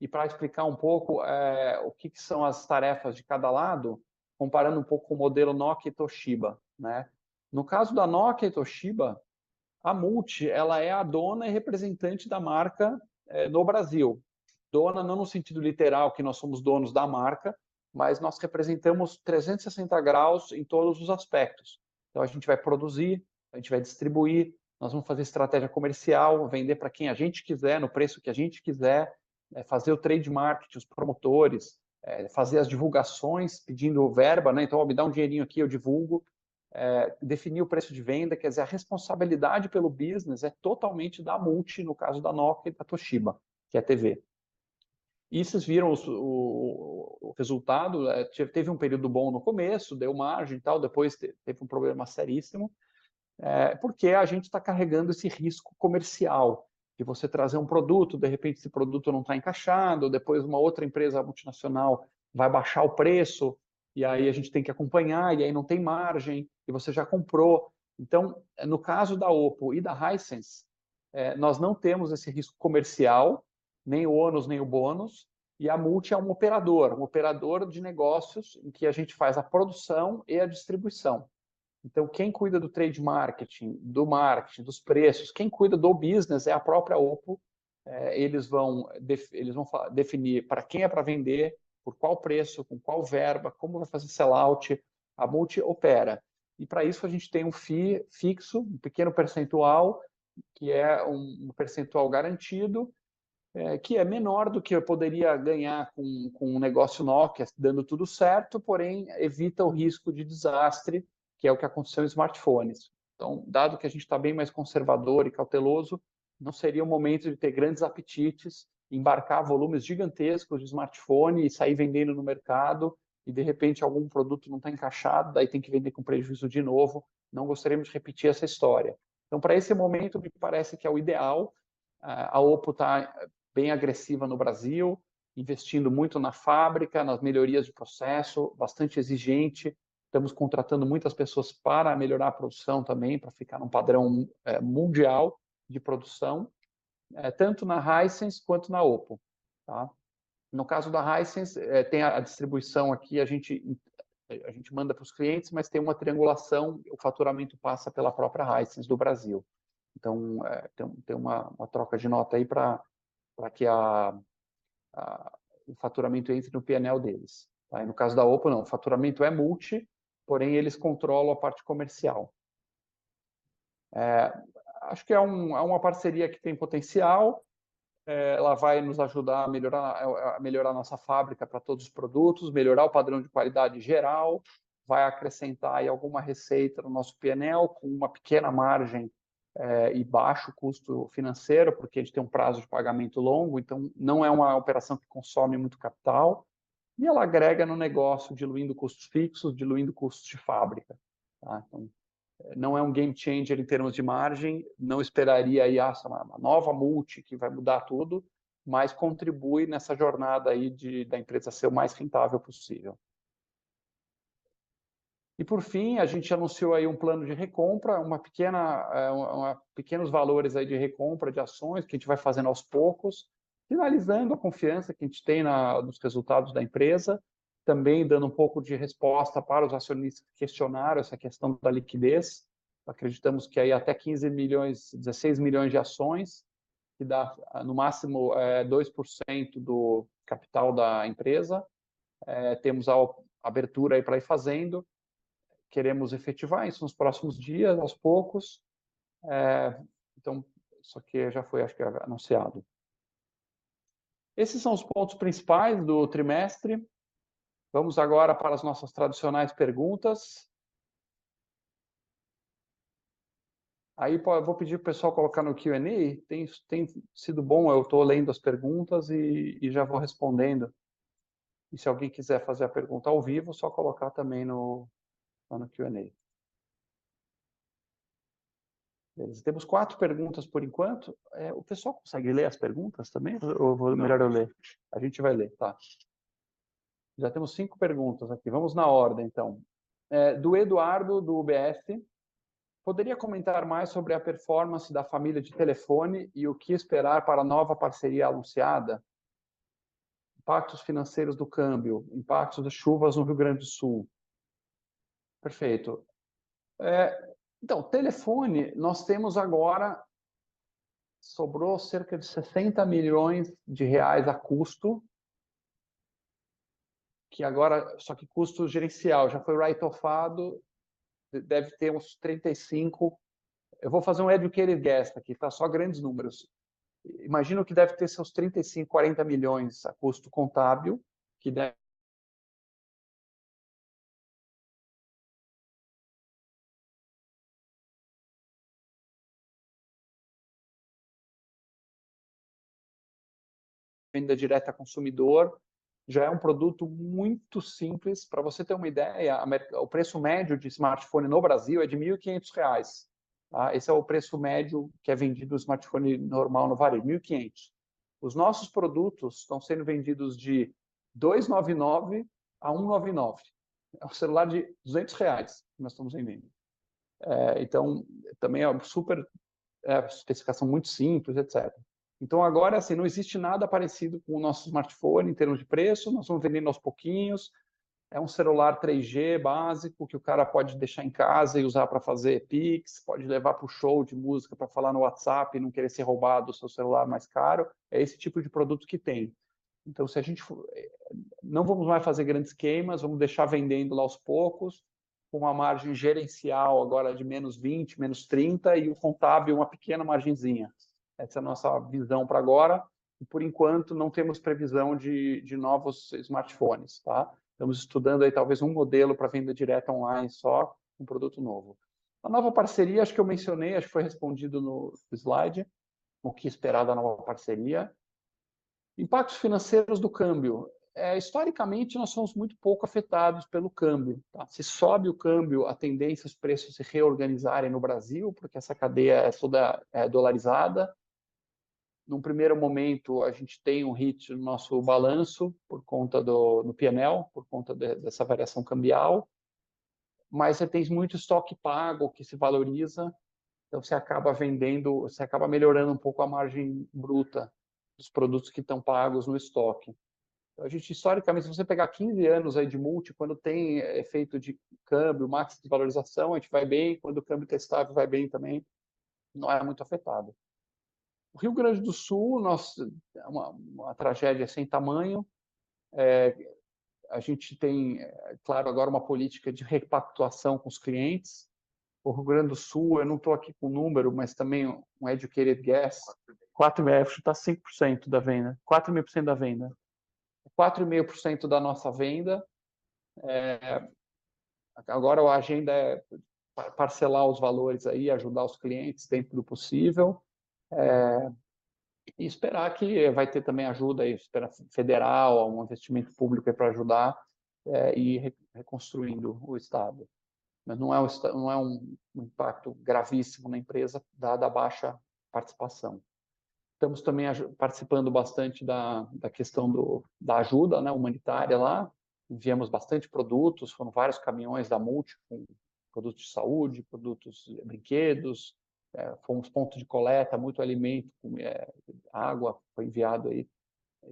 E para explicar um pouco o que que são as tarefas de cada lado, comparando um pouco o modelo Nokia e Toshiba, né? No caso da Nokia e Toshiba, a Multi, ela é a dona e representante da marca no Brasil. Dona, não no sentido literal, que nós somos donos da marca, mas nós representamos 360 graus em todos os aspectos. Então a gente vai produzir, a gente vai distribuir, nós vamos fazer estratégia comercial, vender para quem a gente quiser, no preço que a gente quiser, fazer o trade marketing, os promotores, fazer as divulgações, pedindo verba, né? "Então me dá um dinheirinho aqui, eu divulgo." Definir o preço de venda, quer dizer, a responsabilidade pelo business é totalmente da Multi, no caso da Nokia e da Toshiba, que é TV. E vocês viram o resultado, teve um período bom no começo, deu margem e tal, depois teve um problema seríssimo, porque a gente tá carregando esse risco comercial, de você trazer um produto, de repente, esse produto não tá encaixado, depois uma outra empresa multinacional vai baixar o preço, e aí a gente tem que acompanhar, e aí não tem margem, e você já comprou. Então, no caso da Oppo e da Hisense, nós não temos esse risco comercial, nem o ônus, nem o bônus, e a Multi é um operador, um operador de negócios, em que a gente faz a produção e a distribuição. Então, quem cuida do trade marketing, do marketing, dos preços, quem cuida do business, é a própria Oppo. É, eles vão definir pra quem é pra vender, por qual preço, com qual verba, como vai fazer sellout. A Multi opera, e pra isso a gente tem um fixo, um pequeno percentual, que é um percentual garantido, é, que é menor do que eu poderia ganhar com um negócio Nokia, dando tudo certo, porém, evita o risco de desastre, que é o que aconteceu em smartphones. Então, dado que a gente tá bem mais conservador e cauteloso, não seria o momento de ter grandes apetites, embarcar volumes gigantescos de smartphone e sair vendendo no mercado, e de repente, algum produto não tá encaixado, daí tem que vender com prejuízo de novo. Não gostaríamos de repetir essa história. Então, para esse momento, me parece que é o ideal. A Oppo está bem agressiva no Brasil, investindo muito na fábrica, nas melhorias de processo, bastante exigente. Estamos contratando muitas pessoas para melhorar a produção também, para ficar num padrão mundial de produção, tanto na Hisense quanto na Oppo. No caso da Hisense, tem a distribuição aqui, a gente manda pros clientes, mas tem uma triangulação, o faturamento passa pela própria Hisense do Brasil. Então, tem uma troca de nota aí para que o faturamento entre no PNL deles. No caso da Oppo, não, o faturamento é Multi, porém eles controlam a parte comercial. Acho que é uma parceria que tem potencial. Ela vai nos ajudar a melhorar nossa fábrica para todos os produtos, melhorar o padrão de qualidade geral, vai acrescentar alguma receita no nosso PNL, com uma pequena margem e baixo custo financeiro, porque a gente tem um prazo de pagamento longo, então não é uma operação que consome muito capital, e ela agrega no negócio, diluindo custos fixos, diluindo custos de fábrica. Não é um game changer em termos de margem, não esperaria: "ah, essa é uma nova Multi, que vai mudar tudo", mas contribui nessa jornada da empresa ser o mais rentável possível. E, por fim, a gente anunciou aí um plano de recompra, uma pequena, pequenos valores aí de recompra de ações, que a gente vai fazendo aos poucos, sinalizando a confiança que a gente tem nos resultados da empresa, também dando um pouco de resposta para os acionistas que questionaram essa questão da liquidez. Acreditamos que aí até 15 milhões, 16 milhões de ações, que dá no máximo 2% do capital da empresa, temos a abertura aí pra ir fazendo. Queremos efetivar isso nos próximos dias, aos poucos, então, isso aqui já foi acho que anunciado. Esses são os pontos principais do trimestre. Vamos agora para as nossas tradicionais perguntas. Aí, eu vou pedir pro pessoal colocar no Q&A? Tem sido bom, eu tô lendo as perguntas e já vou respondendo. E se alguém quiser fazer a pergunta ao vivo, só colocar também no Q&A. Beleza, temos quatro perguntas por enquanto. O pessoal consegue ler as perguntas também, ou melhor eu ler? A gente vai ler! Já temos cinco perguntas aqui, vamos na ordem, então. Do Eduardo, do UBS: "Poderia comentar mais sobre a performance da família de telefone e o que esperar para a nova parceria anunciada? Impactos financeiros do câmbio, impactos das chuvas no Rio Grande do Sul." Perfeito. Então, telefone, nós temos agora, sobrou cerca de R$ 60 milhões a custo, que agora... só que custo gerencial, já foi writeoffado, deve ter uns R$ 35... eu vou fazer um "educated guess" aqui. Só grandes números. Imagino que deve ter seus R$ 35, R$ 40 milhões a custo contábil, que deve... Venda direta ao consumidor, já é um produto muito simples. Para você ter uma ideia, o preço médio de smartphone no Brasil é de R$ 1.500. Esse é o preço médio que é vendido o smartphone normal no varejo, R$ 1.500. Os nossos produtos estão sendo vendidos de R$ 299 a R$ 199. É um celular de R$ 200, que nós estamos vendendo. Então, também é uma especificação muito simples, etc. Então agora não existe nada parecido com o nosso smartphone, em termos de preço, nós vamos vendendo aos pouquinhos. É um celular 3G básico, que o cara pode deixar em casa e usar para fazer Pix, pode levar pro show de música, para falar no WhatsApp, não querer ser roubado o seu celular mais caro. É esse tipo de produto que tem. Então, se a gente não vamos mais fazer grandes queimas, vamos deixar vendendo lá aos poucos, com uma margem gerencial agora de menos 20%, menos 30%, e o contábil, uma pequena margenzinha. Essa é nossa visão para agora, e por enquanto, não temos previsão de novos smartphones, tá? Estamos estudando aí, talvez um modelo para venda direta online, só, um produto novo. A nova parceria, acho que eu mencionei, acho que foi respondido no slide, o que esperar da nova parceria. Impactos financeiros do câmbio. Historicamente, nós somos muito pouco afetados pelo câmbio, tá? Se sobe o câmbio, a tendência é os preços se reorganizarem no Brasil, porque essa cadeia é toda dolarizada. Num primeiro momento, a gente tem um hit no nosso balanço, por conta do PNL, por conta dessa variação cambial, mas você tem muito estoque pago, que se valoriza, então você acaba vendendo, você acaba melhorando um pouco a margem bruta dos produtos que estão pagos no estoque. A gente, historicamente, se você pegar 15 anos aí de Multi, quando tem efeito de câmbio, máximo de valorização, a gente vai bem, quando o câmbio está estável, vai bem também, não é muito afetado. O Rio Grande do Sul, nós, é uma tragédia sem tamanho, a gente tem, claro, agora uma política de repactuação com os clientes. O Rio Grande do Sul, eu não estou aqui com o número, mas também um educated guess - 4,5%, acho que está 100% da venda, 4,5% da venda. 4,5% da nossa venda. Agora a agenda é parcelar os valores aí, ajudar os clientes dentro do possível, e esperar que vai ter também ajuda aí federal, um investimento público aí para ajudar ir reconstruindo o Estado. Mas não é um impacto gravíssimo na empresa, dada a baixa participação. Estamos também participando bastante da questão da ajuda humanitária lá, enviamos bastante produtos, foram vários caminhões da Multi com produtos de saúde, produtos, brinquedos, fomos ponto de coleta, muito alimento, água foi enviado aí,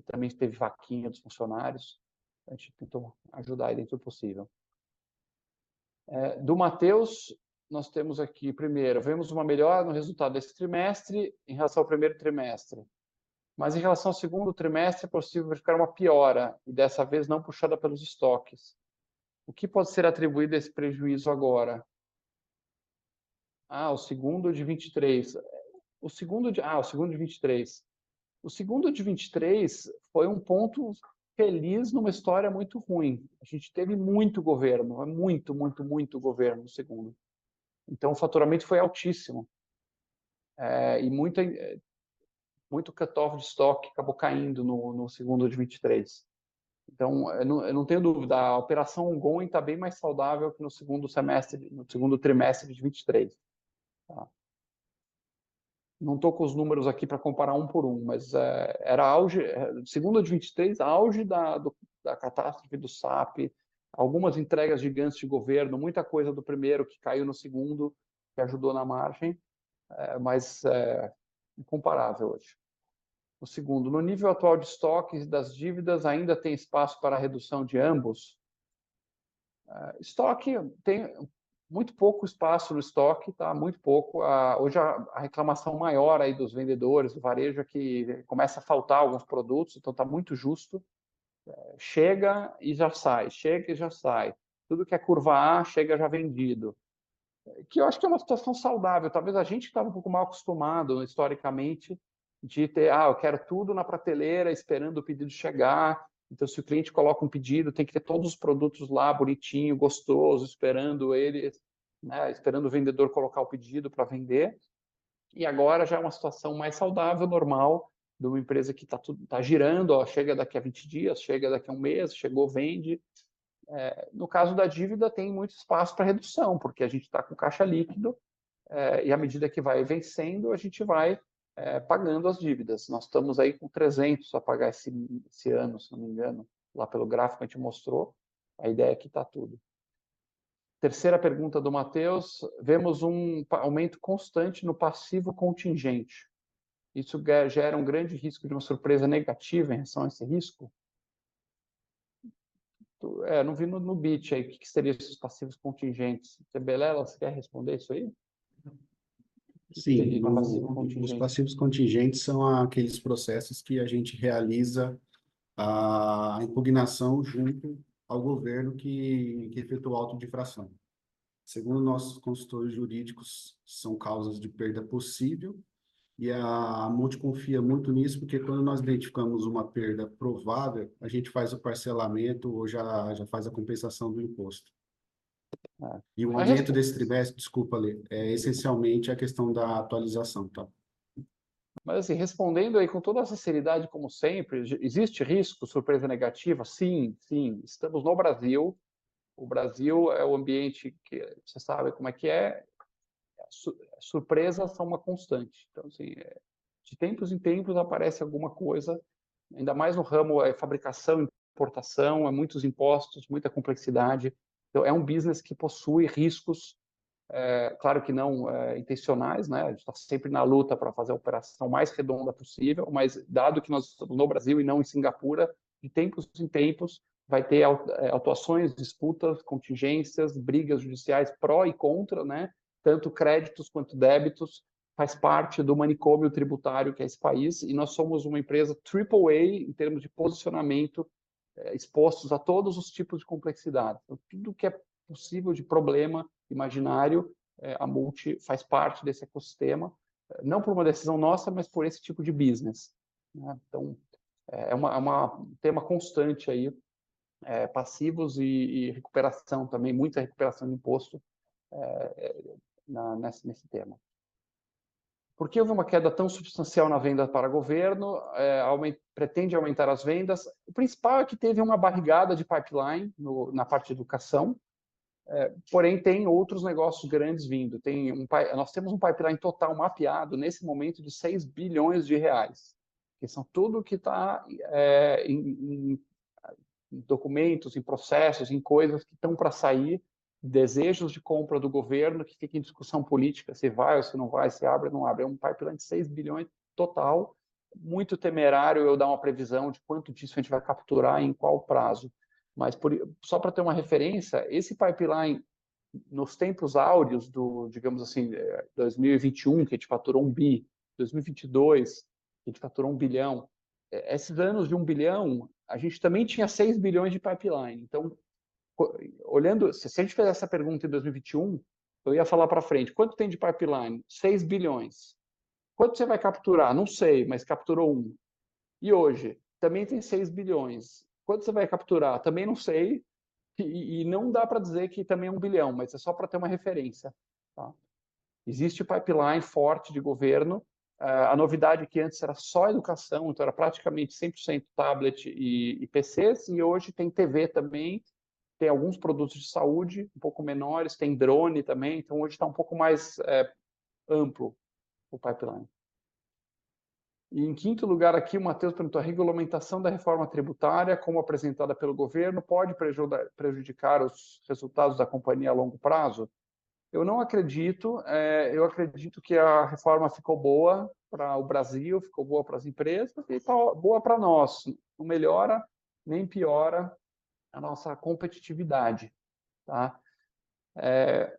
também teve vaquinha dos funcionários, a gente tentou ajudar aí dentro do possível. Do Mateus, nós temos aqui, primeiro: vemos uma melhora no resultado desse trimestre, em relação ao primeiro trimestre, mas em relação ao segundo trimestre, é possível ficar uma piora, e dessa vez, não puxada pelos estoques. O que pode ser atribuído a esse prejuízo agora? O segundo trimestre de 2023. O segundo trimestre de 2023 foi um ponto feliz numa história muito ruim. A gente teve muito governo, muito, muito, muito governo no segundo trimestre. Então o faturamento foi altíssimo e muito cutoff de estoque acabou caindo no segundo trimestre de 2023. Então, eu não tenho dúvida, a operação Going está bem mais saudável que no segundo trimestre de 2023. Não estou com os números aqui para comparar um por um, mas era auge, segundo trimestre de 2023, auge da catástrofe do SAP, algumas entregas gigantes de governo, muita coisa do primeiro que caiu no segundo, que ajudou na margem, mas é incomparável hoje. O segundo: no nível atual de estoques das dívidas, ainda tem espaço para redução de ambos? Estoque tem muito pouco espaço no estoque, está muito pouco. Hoje, a reclamação maior dos vendedores, do varejo, é que começa a faltar alguns produtos, então está muito justo. Chega e já sai, chega e já sai. Tudo que é curva A, chega já vendido, que eu acho que é uma situação saudável, talvez a gente que está um pouco mal acostumado historicamente, de ter: "ah, eu quero tudo na prateleira, esperando o pedido chegar". Então se o cliente coloca um pedido, tem que ter todos os produtos lá, bonitinho, gostoso, esperando ele, esperando o vendedor colocar o pedido para vender. E agora já é uma situação mais saudável, normal, de uma empresa que está girando, chega daqui a 20 dias, chega daqui a um mês, chegou, vende. É, no caso da dívida, tem muito espaço para redução, porque a gente está com caixa líquido, é, e à medida que vai vencendo, a gente vai pagando as dívidas. Nós estamos aí com R$ 300 milhões a pagar esse ano, se eu não me engano, lá pelo gráfico que a gente mostrou, a ideia é que está tudo. Terceira pergunta do Mateus: vemos um aumento constante no passivo contingente. Isso gera um grande risco de uma surpresa negativa em relação a esse risco? É, não vi no bit aí, o que que seria esses passivos contingentes. Belela, você quer responder isso aí? Sim, os passivos contingentes são aqueles processos que a gente realiza a impugnação junto ao governo que efetuou o auto de infração. Segundo nossos consultores jurídicos, são causas de perda possível, e a Multi confia muito nisso, porque quando nós identificamos uma perda provável, a gente faz o parcelamento ou já faz a compensação do imposto. E o aumento desse trimestre, desculpa, Alê, é essencialmente a questão da atualização, tá? Mas assim, respondendo aí com toda a sinceridade, como sempre, existe risco, surpresa negativa? Sim, sim, estamos no Brasil. O Brasil é o ambiente que você sabe como é que é, surpresas são uma constante. Então, assim, de tempos em tempos, aparece alguma coisa, ainda mais no ramo, fabricação, importação, muitos impostos, muita complexidade. Então é um business que possui riscos, claro que não intencionais, né? A gente tá sempre na luta pra fazer a operação mais redonda possível, mas dado que nós estamos no Brasil e não em Cingapura, de tempos em tempos, vai ter autuações, disputas, contingências, brigas judiciais, pró e contra, né? Tanto créditos quanto débitos, faz parte do manicômio tributário que é esse país, e nós somos uma empresa triple A, em termos de posicionamento, expostos a todos os tipos de complexidade. Tudo que é possível de problema imaginário, a Multi faz parte desse ecossistema, não por uma decisão nossa, mas por esse tipo de business, né? Então, é uma, tem uma constante aí de passivos e recuperação também, muita recuperação de imposto nesse tema. Por que houve uma queda tão substancial na venda para governo? Pretende aumentar as vendas? O principal é que teve uma barrigada de pipeline na parte de educação, porém, tem outros negócios grandes vindo. Nós temos um pipeline total mapeado, nesse momento, de R$ 6 bilhões, que são tudo que está em documentos, em processos, em coisas que estão para sair, desejos de compra do governo, que fica em discussão política, se vai ou se não vai, se abre ou não abre. É um pipeline de R$ 6 bilhões, total! Muito temerário eu dar uma previsão de quanto disso a gente vai capturar e em qual prazo, mas por, só para ter uma referência, esse pipeline, nos tempos áureos do, digamos assim, 2021, que a gente faturou R$ 1 bilhão, 2022, a gente faturou R$ 1 bilhão. Esses anos de R$ 1 bilhão, a gente também tinha R$ 6 bilhões de pipeline. Então, olhando, se a gente fizesse essa pergunta em 2021, eu ia falar para frente: quanto tem de pipeline? R$ 6 bilhões. Quanto você vai capturar? Não sei, mas capturou R$ 1 bilhão. E hoje? Também tem R$ 6 bilhões. Quanto você vai capturar? Também não sei, e não dá para dizer que também é R$ 1 bilhão, mas é só para ter uma referência, tá? Existe o pipeline forte de governo, a novidade que antes era só educação, então era praticamente 100% tablet e PCs, e hoje tem TV também, tem alguns produtos de saúde, um pouco menores, tem drone também, então hoje está um pouco mais amplo, o pipeline. E em quinto lugar, aqui, o Mateus perguntou: "A regulamentação da Reforma Tributária, como apresentada pelo Governo, pode prejudicar os resultados da companhia a longo prazo?" Eu não acredito, eu acredito que a reforma ficou boa para o Brasil, ficou boa para as empresas e está boa para nós. Não melhora, nem piora a nossa competitividade. É,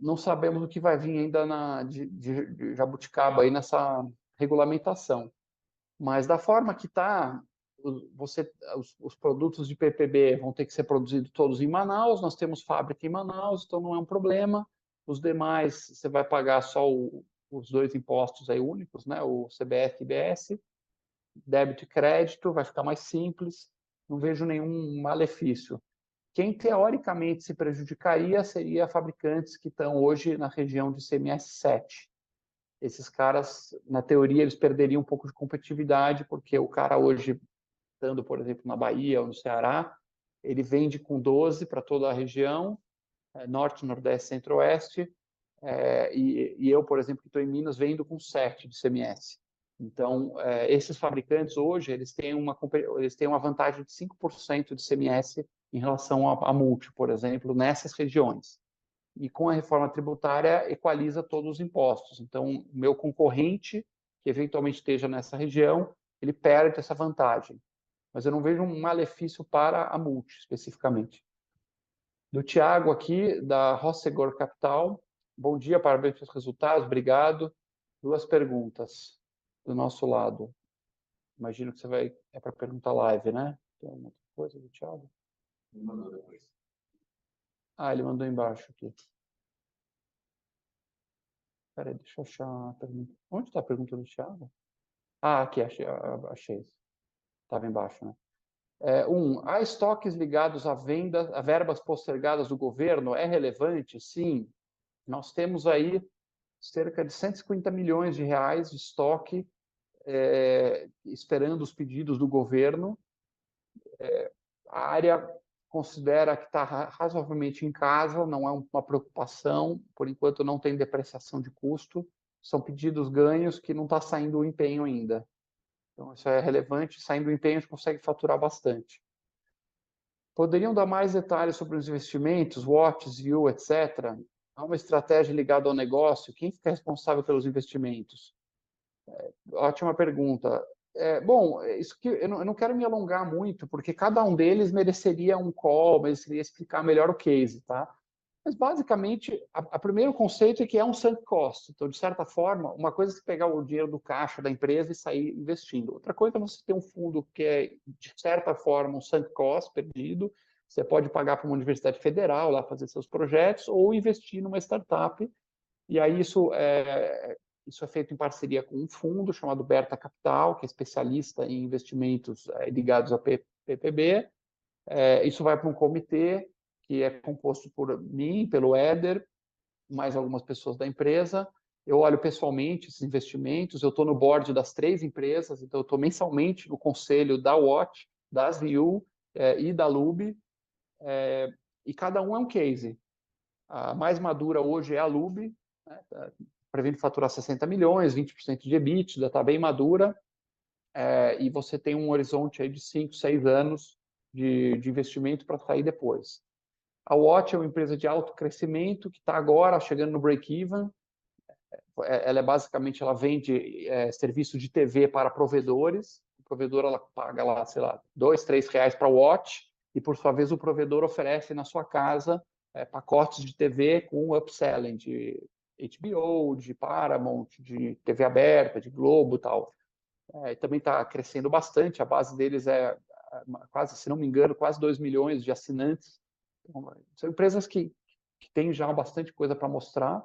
não sabemos o que vai vir ainda na de jabuticaba aí nessa regulamentação, mas da forma que está, os produtos de PPB vão ter que ser produzidos todos em Manaus, nós temos fábrica em Manaus, então não é um problema. Os demais, você vai pagar só os dois impostos aí únicos, né? O ICMS e IS, débito e crédito, vai ficar mais simples, não vejo nenhum malefício. Quem teoricamente se prejudicaria, seria fabricantes que estão hoje na região de ICMS 7%. Esses caras, na teoria, eles perderiam um pouco de competitividade, porque o cara hoje, estando, por exemplo, na Bahia ou no Ceará, ele vende com 12% para toda a região, Norte, Nordeste, Centro-Oeste, e eu, por exemplo, que estou em Minas, vendo com 7% de ICMS. Então, esses fabricantes, hoje, eles têm uma vantagem de 5% de ICMS em relação à Multi, por exemplo, nessas regiões. E com a Reforma Tributária, equaliza todos os impostos. Então, meu concorrente, que eventualmente esteja nessa região, ele perde essa vantagem, mas eu não vejo um malefício para a Multi, especificamente. Do Thiago aqui, da Rossegor Capital: "Bom dia, parabéns pelos resultados", obrigado. Duas perguntas, do nosso lado. Imagino que você vai... é pra pergunta live, né? Tem alguma outra coisa, do Thiago? Ele mandou depois. Ah, ele mandou embaixo, aqui. Pera aí, deixa eu achar a pergunta. Onde está a pergunta do Thiago? Ah, aqui, achei! Estava embaixo, né? Um: "há estoques ligados à venda, às verbas postergadas do governo, é relevante?" Sim, nós temos aí cerca de R$ 150 milhões de estoque esperando os pedidos do governo. É, a área considera que está razoavelmente em casa, não é uma preocupação, por enquanto, não tem depreciação de custo, são pedidos ganhos que não está saindo o empenho ainda. Então, isso é relevante, saindo o empenho, a gente consegue faturar bastante. "Poderiam dar mais detalhes sobre os investimentos, Wattz, ZIUU, etc? Há uma estratégia ligada ao negócio? Quem fica responsável pelos investimentos?" Ótima pergunta. Bom, isso que eu não quero me alongar muito, porque cada um deles mereceria um call, mereceria explicar melhor o case, está? Mas basicamente, o primeiro conceito é que é um sunk cost. Então, de certa forma, uma coisa é você pegar o dinheiro do caixa da empresa e sair investindo. Outra coisa é você ter um fundo que é, de certa forma, um sunk cost, perdido. Você pode pagar para uma universidade federal lá, fazer seus projetos ou investir numa startup, e aí isso é feito em parceria com um fundo chamado Berta Capital, que é especialista em investimentos ligados à PPB. Isso vai para um comitê, que é composto por mim, pelo Éder, mais algumas pessoas da empresa. Eu olho pessoalmente esses investimentos, eu estou no board das três empresas, então eu estou mensalmente no conselho da Wattz, da ZIUU, e da Luby, e cada um é um case. A mais madura hoje é a Luby, prevendo faturar R$ 60 milhões, 20% de EBITDA, está bem madura, e você tem um horizonte aí de cinco, seis anos de investimento para sair depois. A Wattz é uma empresa de alto crescimento, que está agora chegando no break-even. Ela é basicamente, ela vende serviço de TV para provedores. O provedor, ela paga lá, sei lá, dois, três reais para Wattz, e por sua vez, o provedor oferece na sua casa pacotes de TV com up-selling, de HBO, de Paramount, de TV aberta, de Globo, tal. E também está crescendo bastante, a base deles é, quase, se não me engano, quase dois milhões de assinantes. São empresas que têm já bastante coisa para mostrar.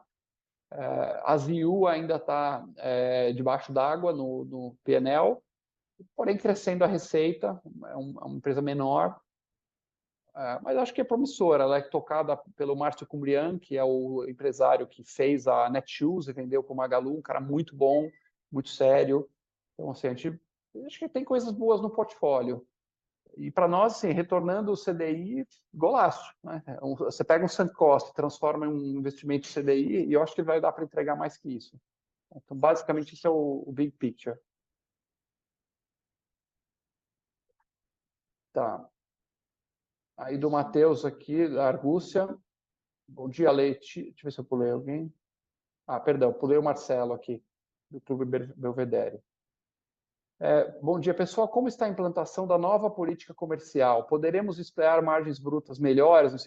A ZIUU ainda está debaixo d'água no PNL, porém crescendo a receita, é uma empresa menor, mas acho que é promissora. Ela é tocada pelo Márcio Kumbrian, que é o empresário que fez a Netshoes e vendeu para o Magalu, um cara muito bom, muito sério. Então, assim, a gente acho que tem coisas boas no portfólio. E para nós, assim, retornando o CDI, golaço, né? Você pega um sunk cost, transforma em um investimento de CDI, e eu acho que vai dar para entregar mais que isso. Então, basicamente, esse é o big picture. Tá! Aí do Mateus aqui, da Argúcia: "Bom dia, Lei-" Deixa eu ver se eu pulei alguém. Ah, perdão, pulei o Marcelo aqui, do Clube Belvedere. É: "Bom dia, pessoal, como está a implantação da nova política comercial? Poderemos esperar margens brutas melhores no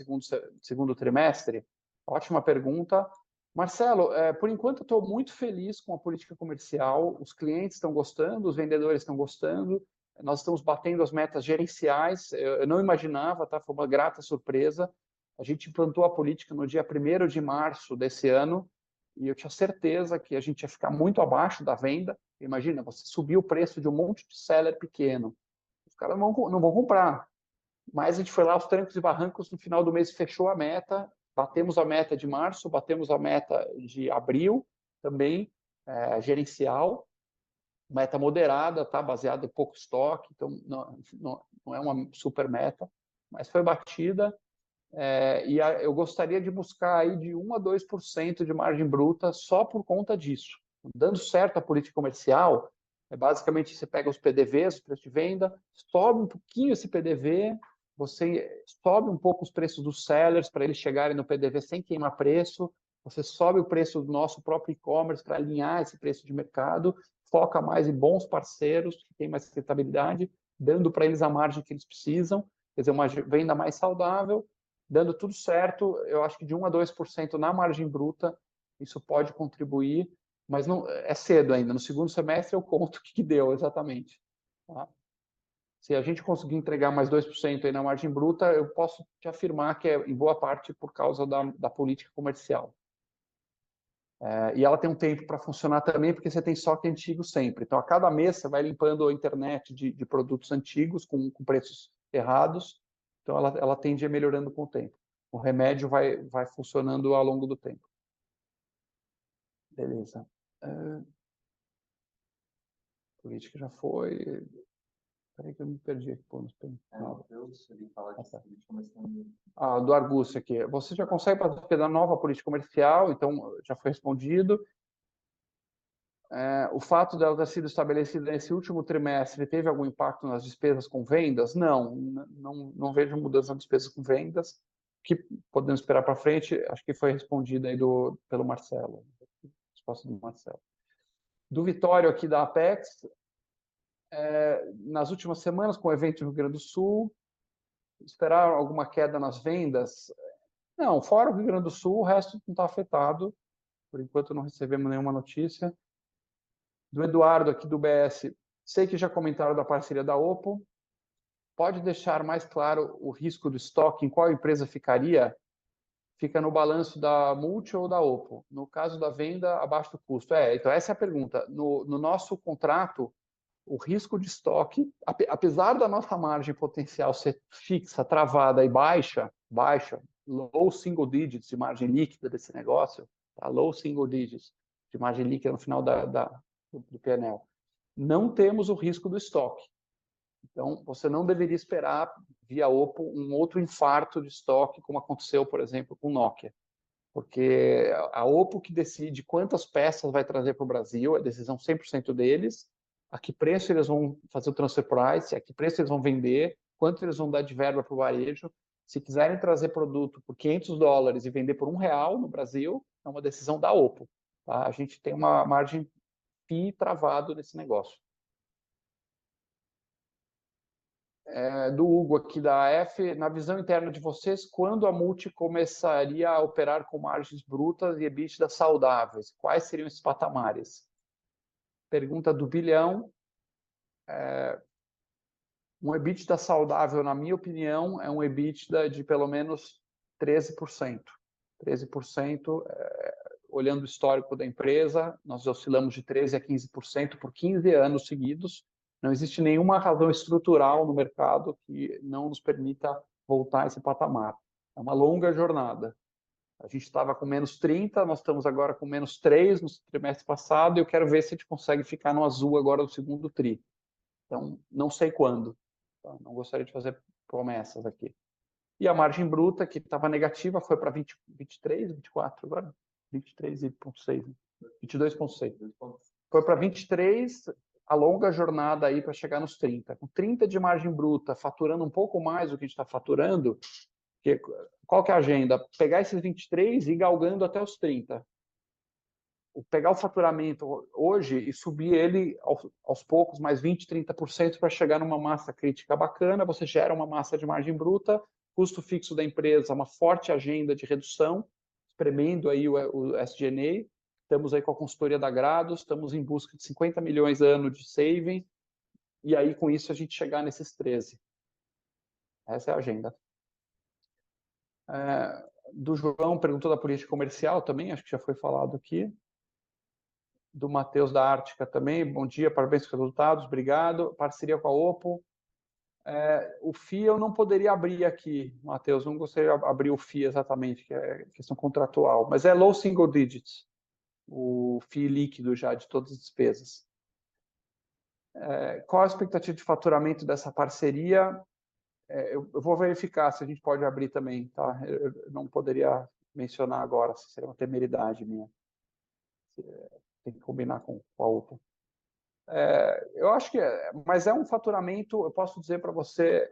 segundo trimestre?". Ótima pergunta. Marcelo, por enquanto, eu estou muito feliz com a política comercial, os clientes estão gostando, os vendedores estão gostando, nós estamos batendo as metas gerenciais. Eu não imaginava, tá? Foi uma grata surpresa. A gente implantou a política no dia primeiro de março desse ano, e eu tinha certeza que a gente ia ficar muito abaixo da venda. Imagina, você subir o preço de um monte de seller pequeno, os caras não vão comprar. Mas a gente foi lá aos trancos e barrancos, no final do mês, fechou a meta, batemos a meta de março, batemos a meta de abril também, gerencial, meta moderada, baseada em pouco estoque, então não é uma supermeta, mas foi batida. Eu gostaria de buscar aí de 1% a 2% de margem bruta só por conta disso. Dando certo a política comercial, é basicamente você pega os PDVs, preço de venda, sobe um pouquinho esse PDV, você sobe um pouco os preços dos sellers para eles chegarem no PDV sem queimar preço, você sobe o preço do nosso próprio e-commerce para alinhar esse preço de mercado, foca mais em bons parceiros, que têm mais rentabilidade, dando para eles a margem que eles precisam, quer dizer, uma venda mais saudável. Dando tudo certo, eu acho que de 1% a 2% na margem bruta, isso pode contribuir, mas não... é cedo ainda, no segundo semestre eu conto o que deu exatamente, está? Se a gente conseguir entregar mais 2% aí na margem bruta, eu posso te afirmar que é em boa parte por causa da política comercial. É, e ela tem um tempo para funcionar também, porque você tem estoque antigo sempre. Então a cada mês, você vai limpando a internet de produtos antigos, com preços errados, então ela tende a ir melhorando com o tempo. O remédio vai funcionando ao longo do tempo. Beleza! Política já foi. Peraí que eu me perdi aqui no final. Do Argúcia aqui: "Você já consegue falar da nova política comercial?", então já foi respondido. "O fato dela ter sido estabelecida nesse último trimestre, teve algum impacto nas despesas com vendas?" Não, não vejo mudança na despesa com vendas. "O que podemos esperar para frente?", acho que foi respondido pelo Marcelo, a resposta do Marcelo. Do Vitório, aqui da Apex: "Nas últimas semanas, com o evento em Rio Grande do Sul, esperar alguma queda nas vendas?" Não, fora o Rio Grande do Sul, o resto não está afetado. Por enquanto, não recebemos nenhuma notícia. Do Eduardo, aqui do BS: "Sei que já comentaram da parceria da Oppo. Pode deixar mais claro o risco do estoque, em qual empresa ficaria? Fica no balanço da Multi ou da Oppo, no caso da venda abaixo do custo." É, então essa é a pergunta. No nosso contrato, o risco de estoque, apesar da nossa margem potencial ser fixa, travada e baixa, low single digits de margem líquida desse negócio, tá? Low single digits, de margem líquida no final do PNL. Não temos o risco do estoque, então você não deveria esperar, via Oppo, um outro infarto de estoque, como aconteceu, por exemplo, com Nokia, porque é a Oppo que decide quantas peças vai trazer pro Brasil, a decisão 100% deles, a que preço eles vão fazer o transfer price, a que preço eles vão vender, quanto eles vão dar de verba pro varejo. Se quiserem trazer produto por quinhentos dólares e vender por um real no Brasil, é uma decisão da Oppo. A gente tem uma margem fixa travada nesse negócio. Do Hugo, aqui da AF: "Na visão interna de vocês, quando a Multi começaria a operar com margens brutas e EBITDA saudáveis? Quais seriam esses patamares?" Pergunta do bilhão. Um EBITDA saudável, na minha opinião, é um EBITDA de pelo menos 13%. Treze por cento, olhando o histórico da empresa, nós oscilamos de 13% a 15% por 15 anos seguidos. Não existe nenhuma razão estrutural no mercado que não nos permita voltar a esse patamar. É uma longa jornada. A gente estava com menos 30%, nós estamos agora com menos 3%, no trimestre passado, e eu quero ver se a gente consegue ficar no azul agora no segundo trimestre. Então, não sei quando. Não gostaria de fazer promessas aqui. E a margem bruta, que estava negativa, foi para 20%, 23%, 24% agora? 23,6%, né? 22,6%. Foi para 23%, a longa jornada aí para chegar nos 30%. Com 30% de margem bruta, faturando um pouco mais do que a gente está faturando, que qual que é a agenda? Pegar esses 23% e ir galgando até os 30%. Pegar o faturamento hoje e subir ele aos poucos, mais 20%, 30%, para chegar numa massa crítica bacana, você gera uma massa de margem bruta, custo fixo da empresa, uma forte agenda de redução, espremendo aí o SG&A. Estamos aí com a consultoria da Grado, estamos em busca de R$ 50 milhões ano de saving, e aí com isso a gente chegar nesses 13%. Essa é a agenda. Do João, perguntou da política comercial também, acho que já foi falado aqui. Do Mateus, da Arctica, também: "Bom dia, parabéns pelos resultados", obrigado. "Parceria com a Oppo..." O fee eu não poderia abrir aqui, Mateus, não gostaria de abrir o fee exatamente, que é questão contratual, mas é low single digits, o fee líquido já de todas as despesas. "Qual a expectativa de faturamento dessa parceria?" Eu vou verificar se a gente pode abrir também, tá? Eu não poderia mencionar agora, seria uma temeridade minha. Tem que combinar com o Paulo. Eu acho que, mas é um faturamento, eu posso dizer para você,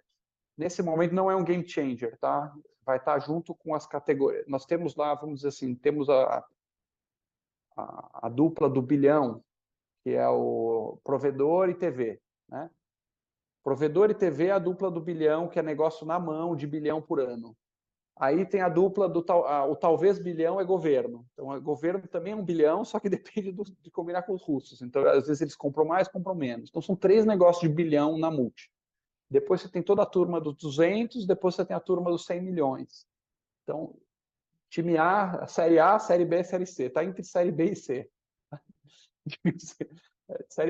nesse momento, não é um game changer, tá? Vai estar junto com as categorias. Nós temos lá, vamos dizer assim, temos a dupla do bilhão, que é o provedor e TV, né? Provedor e TV é a dupla do bilhão, que é negócio na mão de R$ 1 bilhão por ano. Aí tem a dupla do tal... o talvez bilhão é governo. Então, governo também é um bilhão, só que depende do, de combinar com os russos, então às vezes eles compram mais, compram menos. Então são três negócios de bilhão na Multi. Depois você tem toda a turma dos 200, depois você tem a turma dos 100 milhões. Então, time A, série A, série B, série C, tá entre série B e C.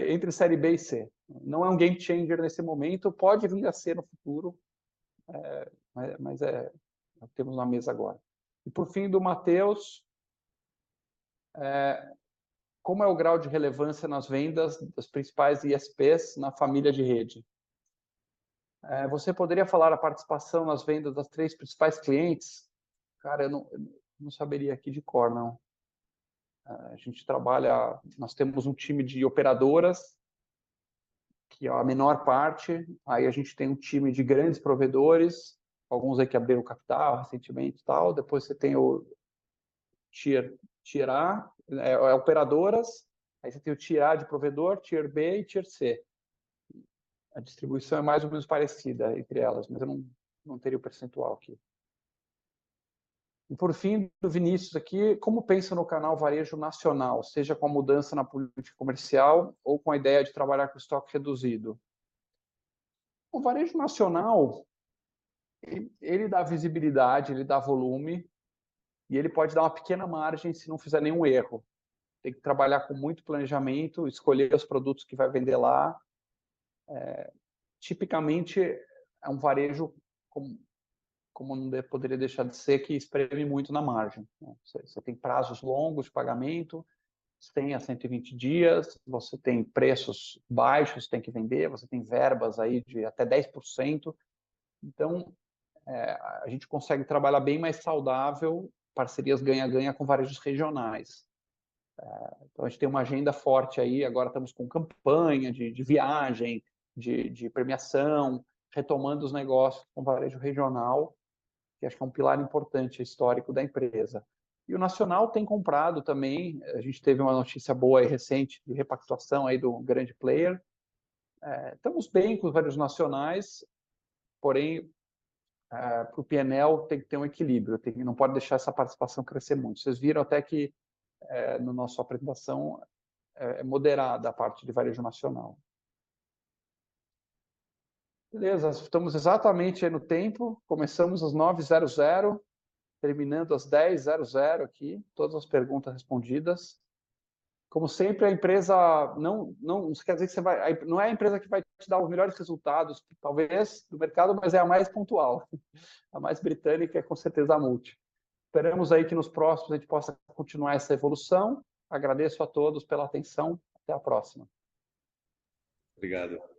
Entre série B e C. Não é um game changer nesse momento, pode vir a ser no futuro... mas é, temos na mesa agora. E por fim, do Mateus: "Como é o grau de relevância nas vendas das principais ISPs na família de rede?" É, você poderia falar a participação nas vendas dos três principais clientes? Cara, eu não saberia aqui de cor, não. É, a gente trabalha... nós temos um time de operadoras, que é a menor parte, aí a gente tem um time de grandes provedores, alguns aí que abriram capital recentemente, tal. Depois você tem o tier A, é, operadoras, aí você tem o tier A de provedor, tier B e tier C. A distribuição é mais ou menos parecida entre elas, mas eu não teria o percentual aqui. E por fim, do Vinícius aqui: "Como pensa no canal varejo nacional, seja com a mudança na política comercial ou com a ideia de trabalhar com estoque reduzido?" O varejo nacional, ele dá visibilidade, ele dá volume e ele pode dar uma pequena margem se não fizer nenhum erro. Tem que trabalhar com muito planejamento, escolher os produtos que vai vender lá. Tipicamente, é um varejo, como não poderia deixar de ser, que espreme muito na margem, né? Você tem prazos longos de pagamento, você tem a 120 dias, você tem preços baixos, tem que vender, você tem verbas aí de até 10%. Então, a gente consegue trabalhar bem mais saudável parcerias ganha-ganha com varejos regionais. Então a gente tem uma agenda forte aí, agora estamos com campanha de viagem, de premiação, retomando os negócios com o varejo regional, que acho que é um pilar importante, histórico da empresa. E o nacional tem comprado também, a gente teve uma notícia boa recente de repactuação aí dum grande player. Estamos bem com os varejos nacionais, porém, pro PNL tem que ter um equilíbrio, tem que não pode deixar essa participação crescer muito. Vocês viram até que, é, na nossa apresentação, é moderada a parte de varejo nacional. Beleza, estamos exatamente aí no tempo. Começamos às 9h00, terminando às 10h00 aqui, todas as perguntas respondidas. Como sempre, a empresa não, não... isso quer dizer que você vai... não é a empresa que vai te dar os melhores resultados, talvez, do mercado, mas é a mais pontual, a mais britânica é com certeza a Multi. Esperamos aí que nos próximos a gente possa continuar essa evolução. Agradeço a todos pela atenção, até a próxima! Obrigado.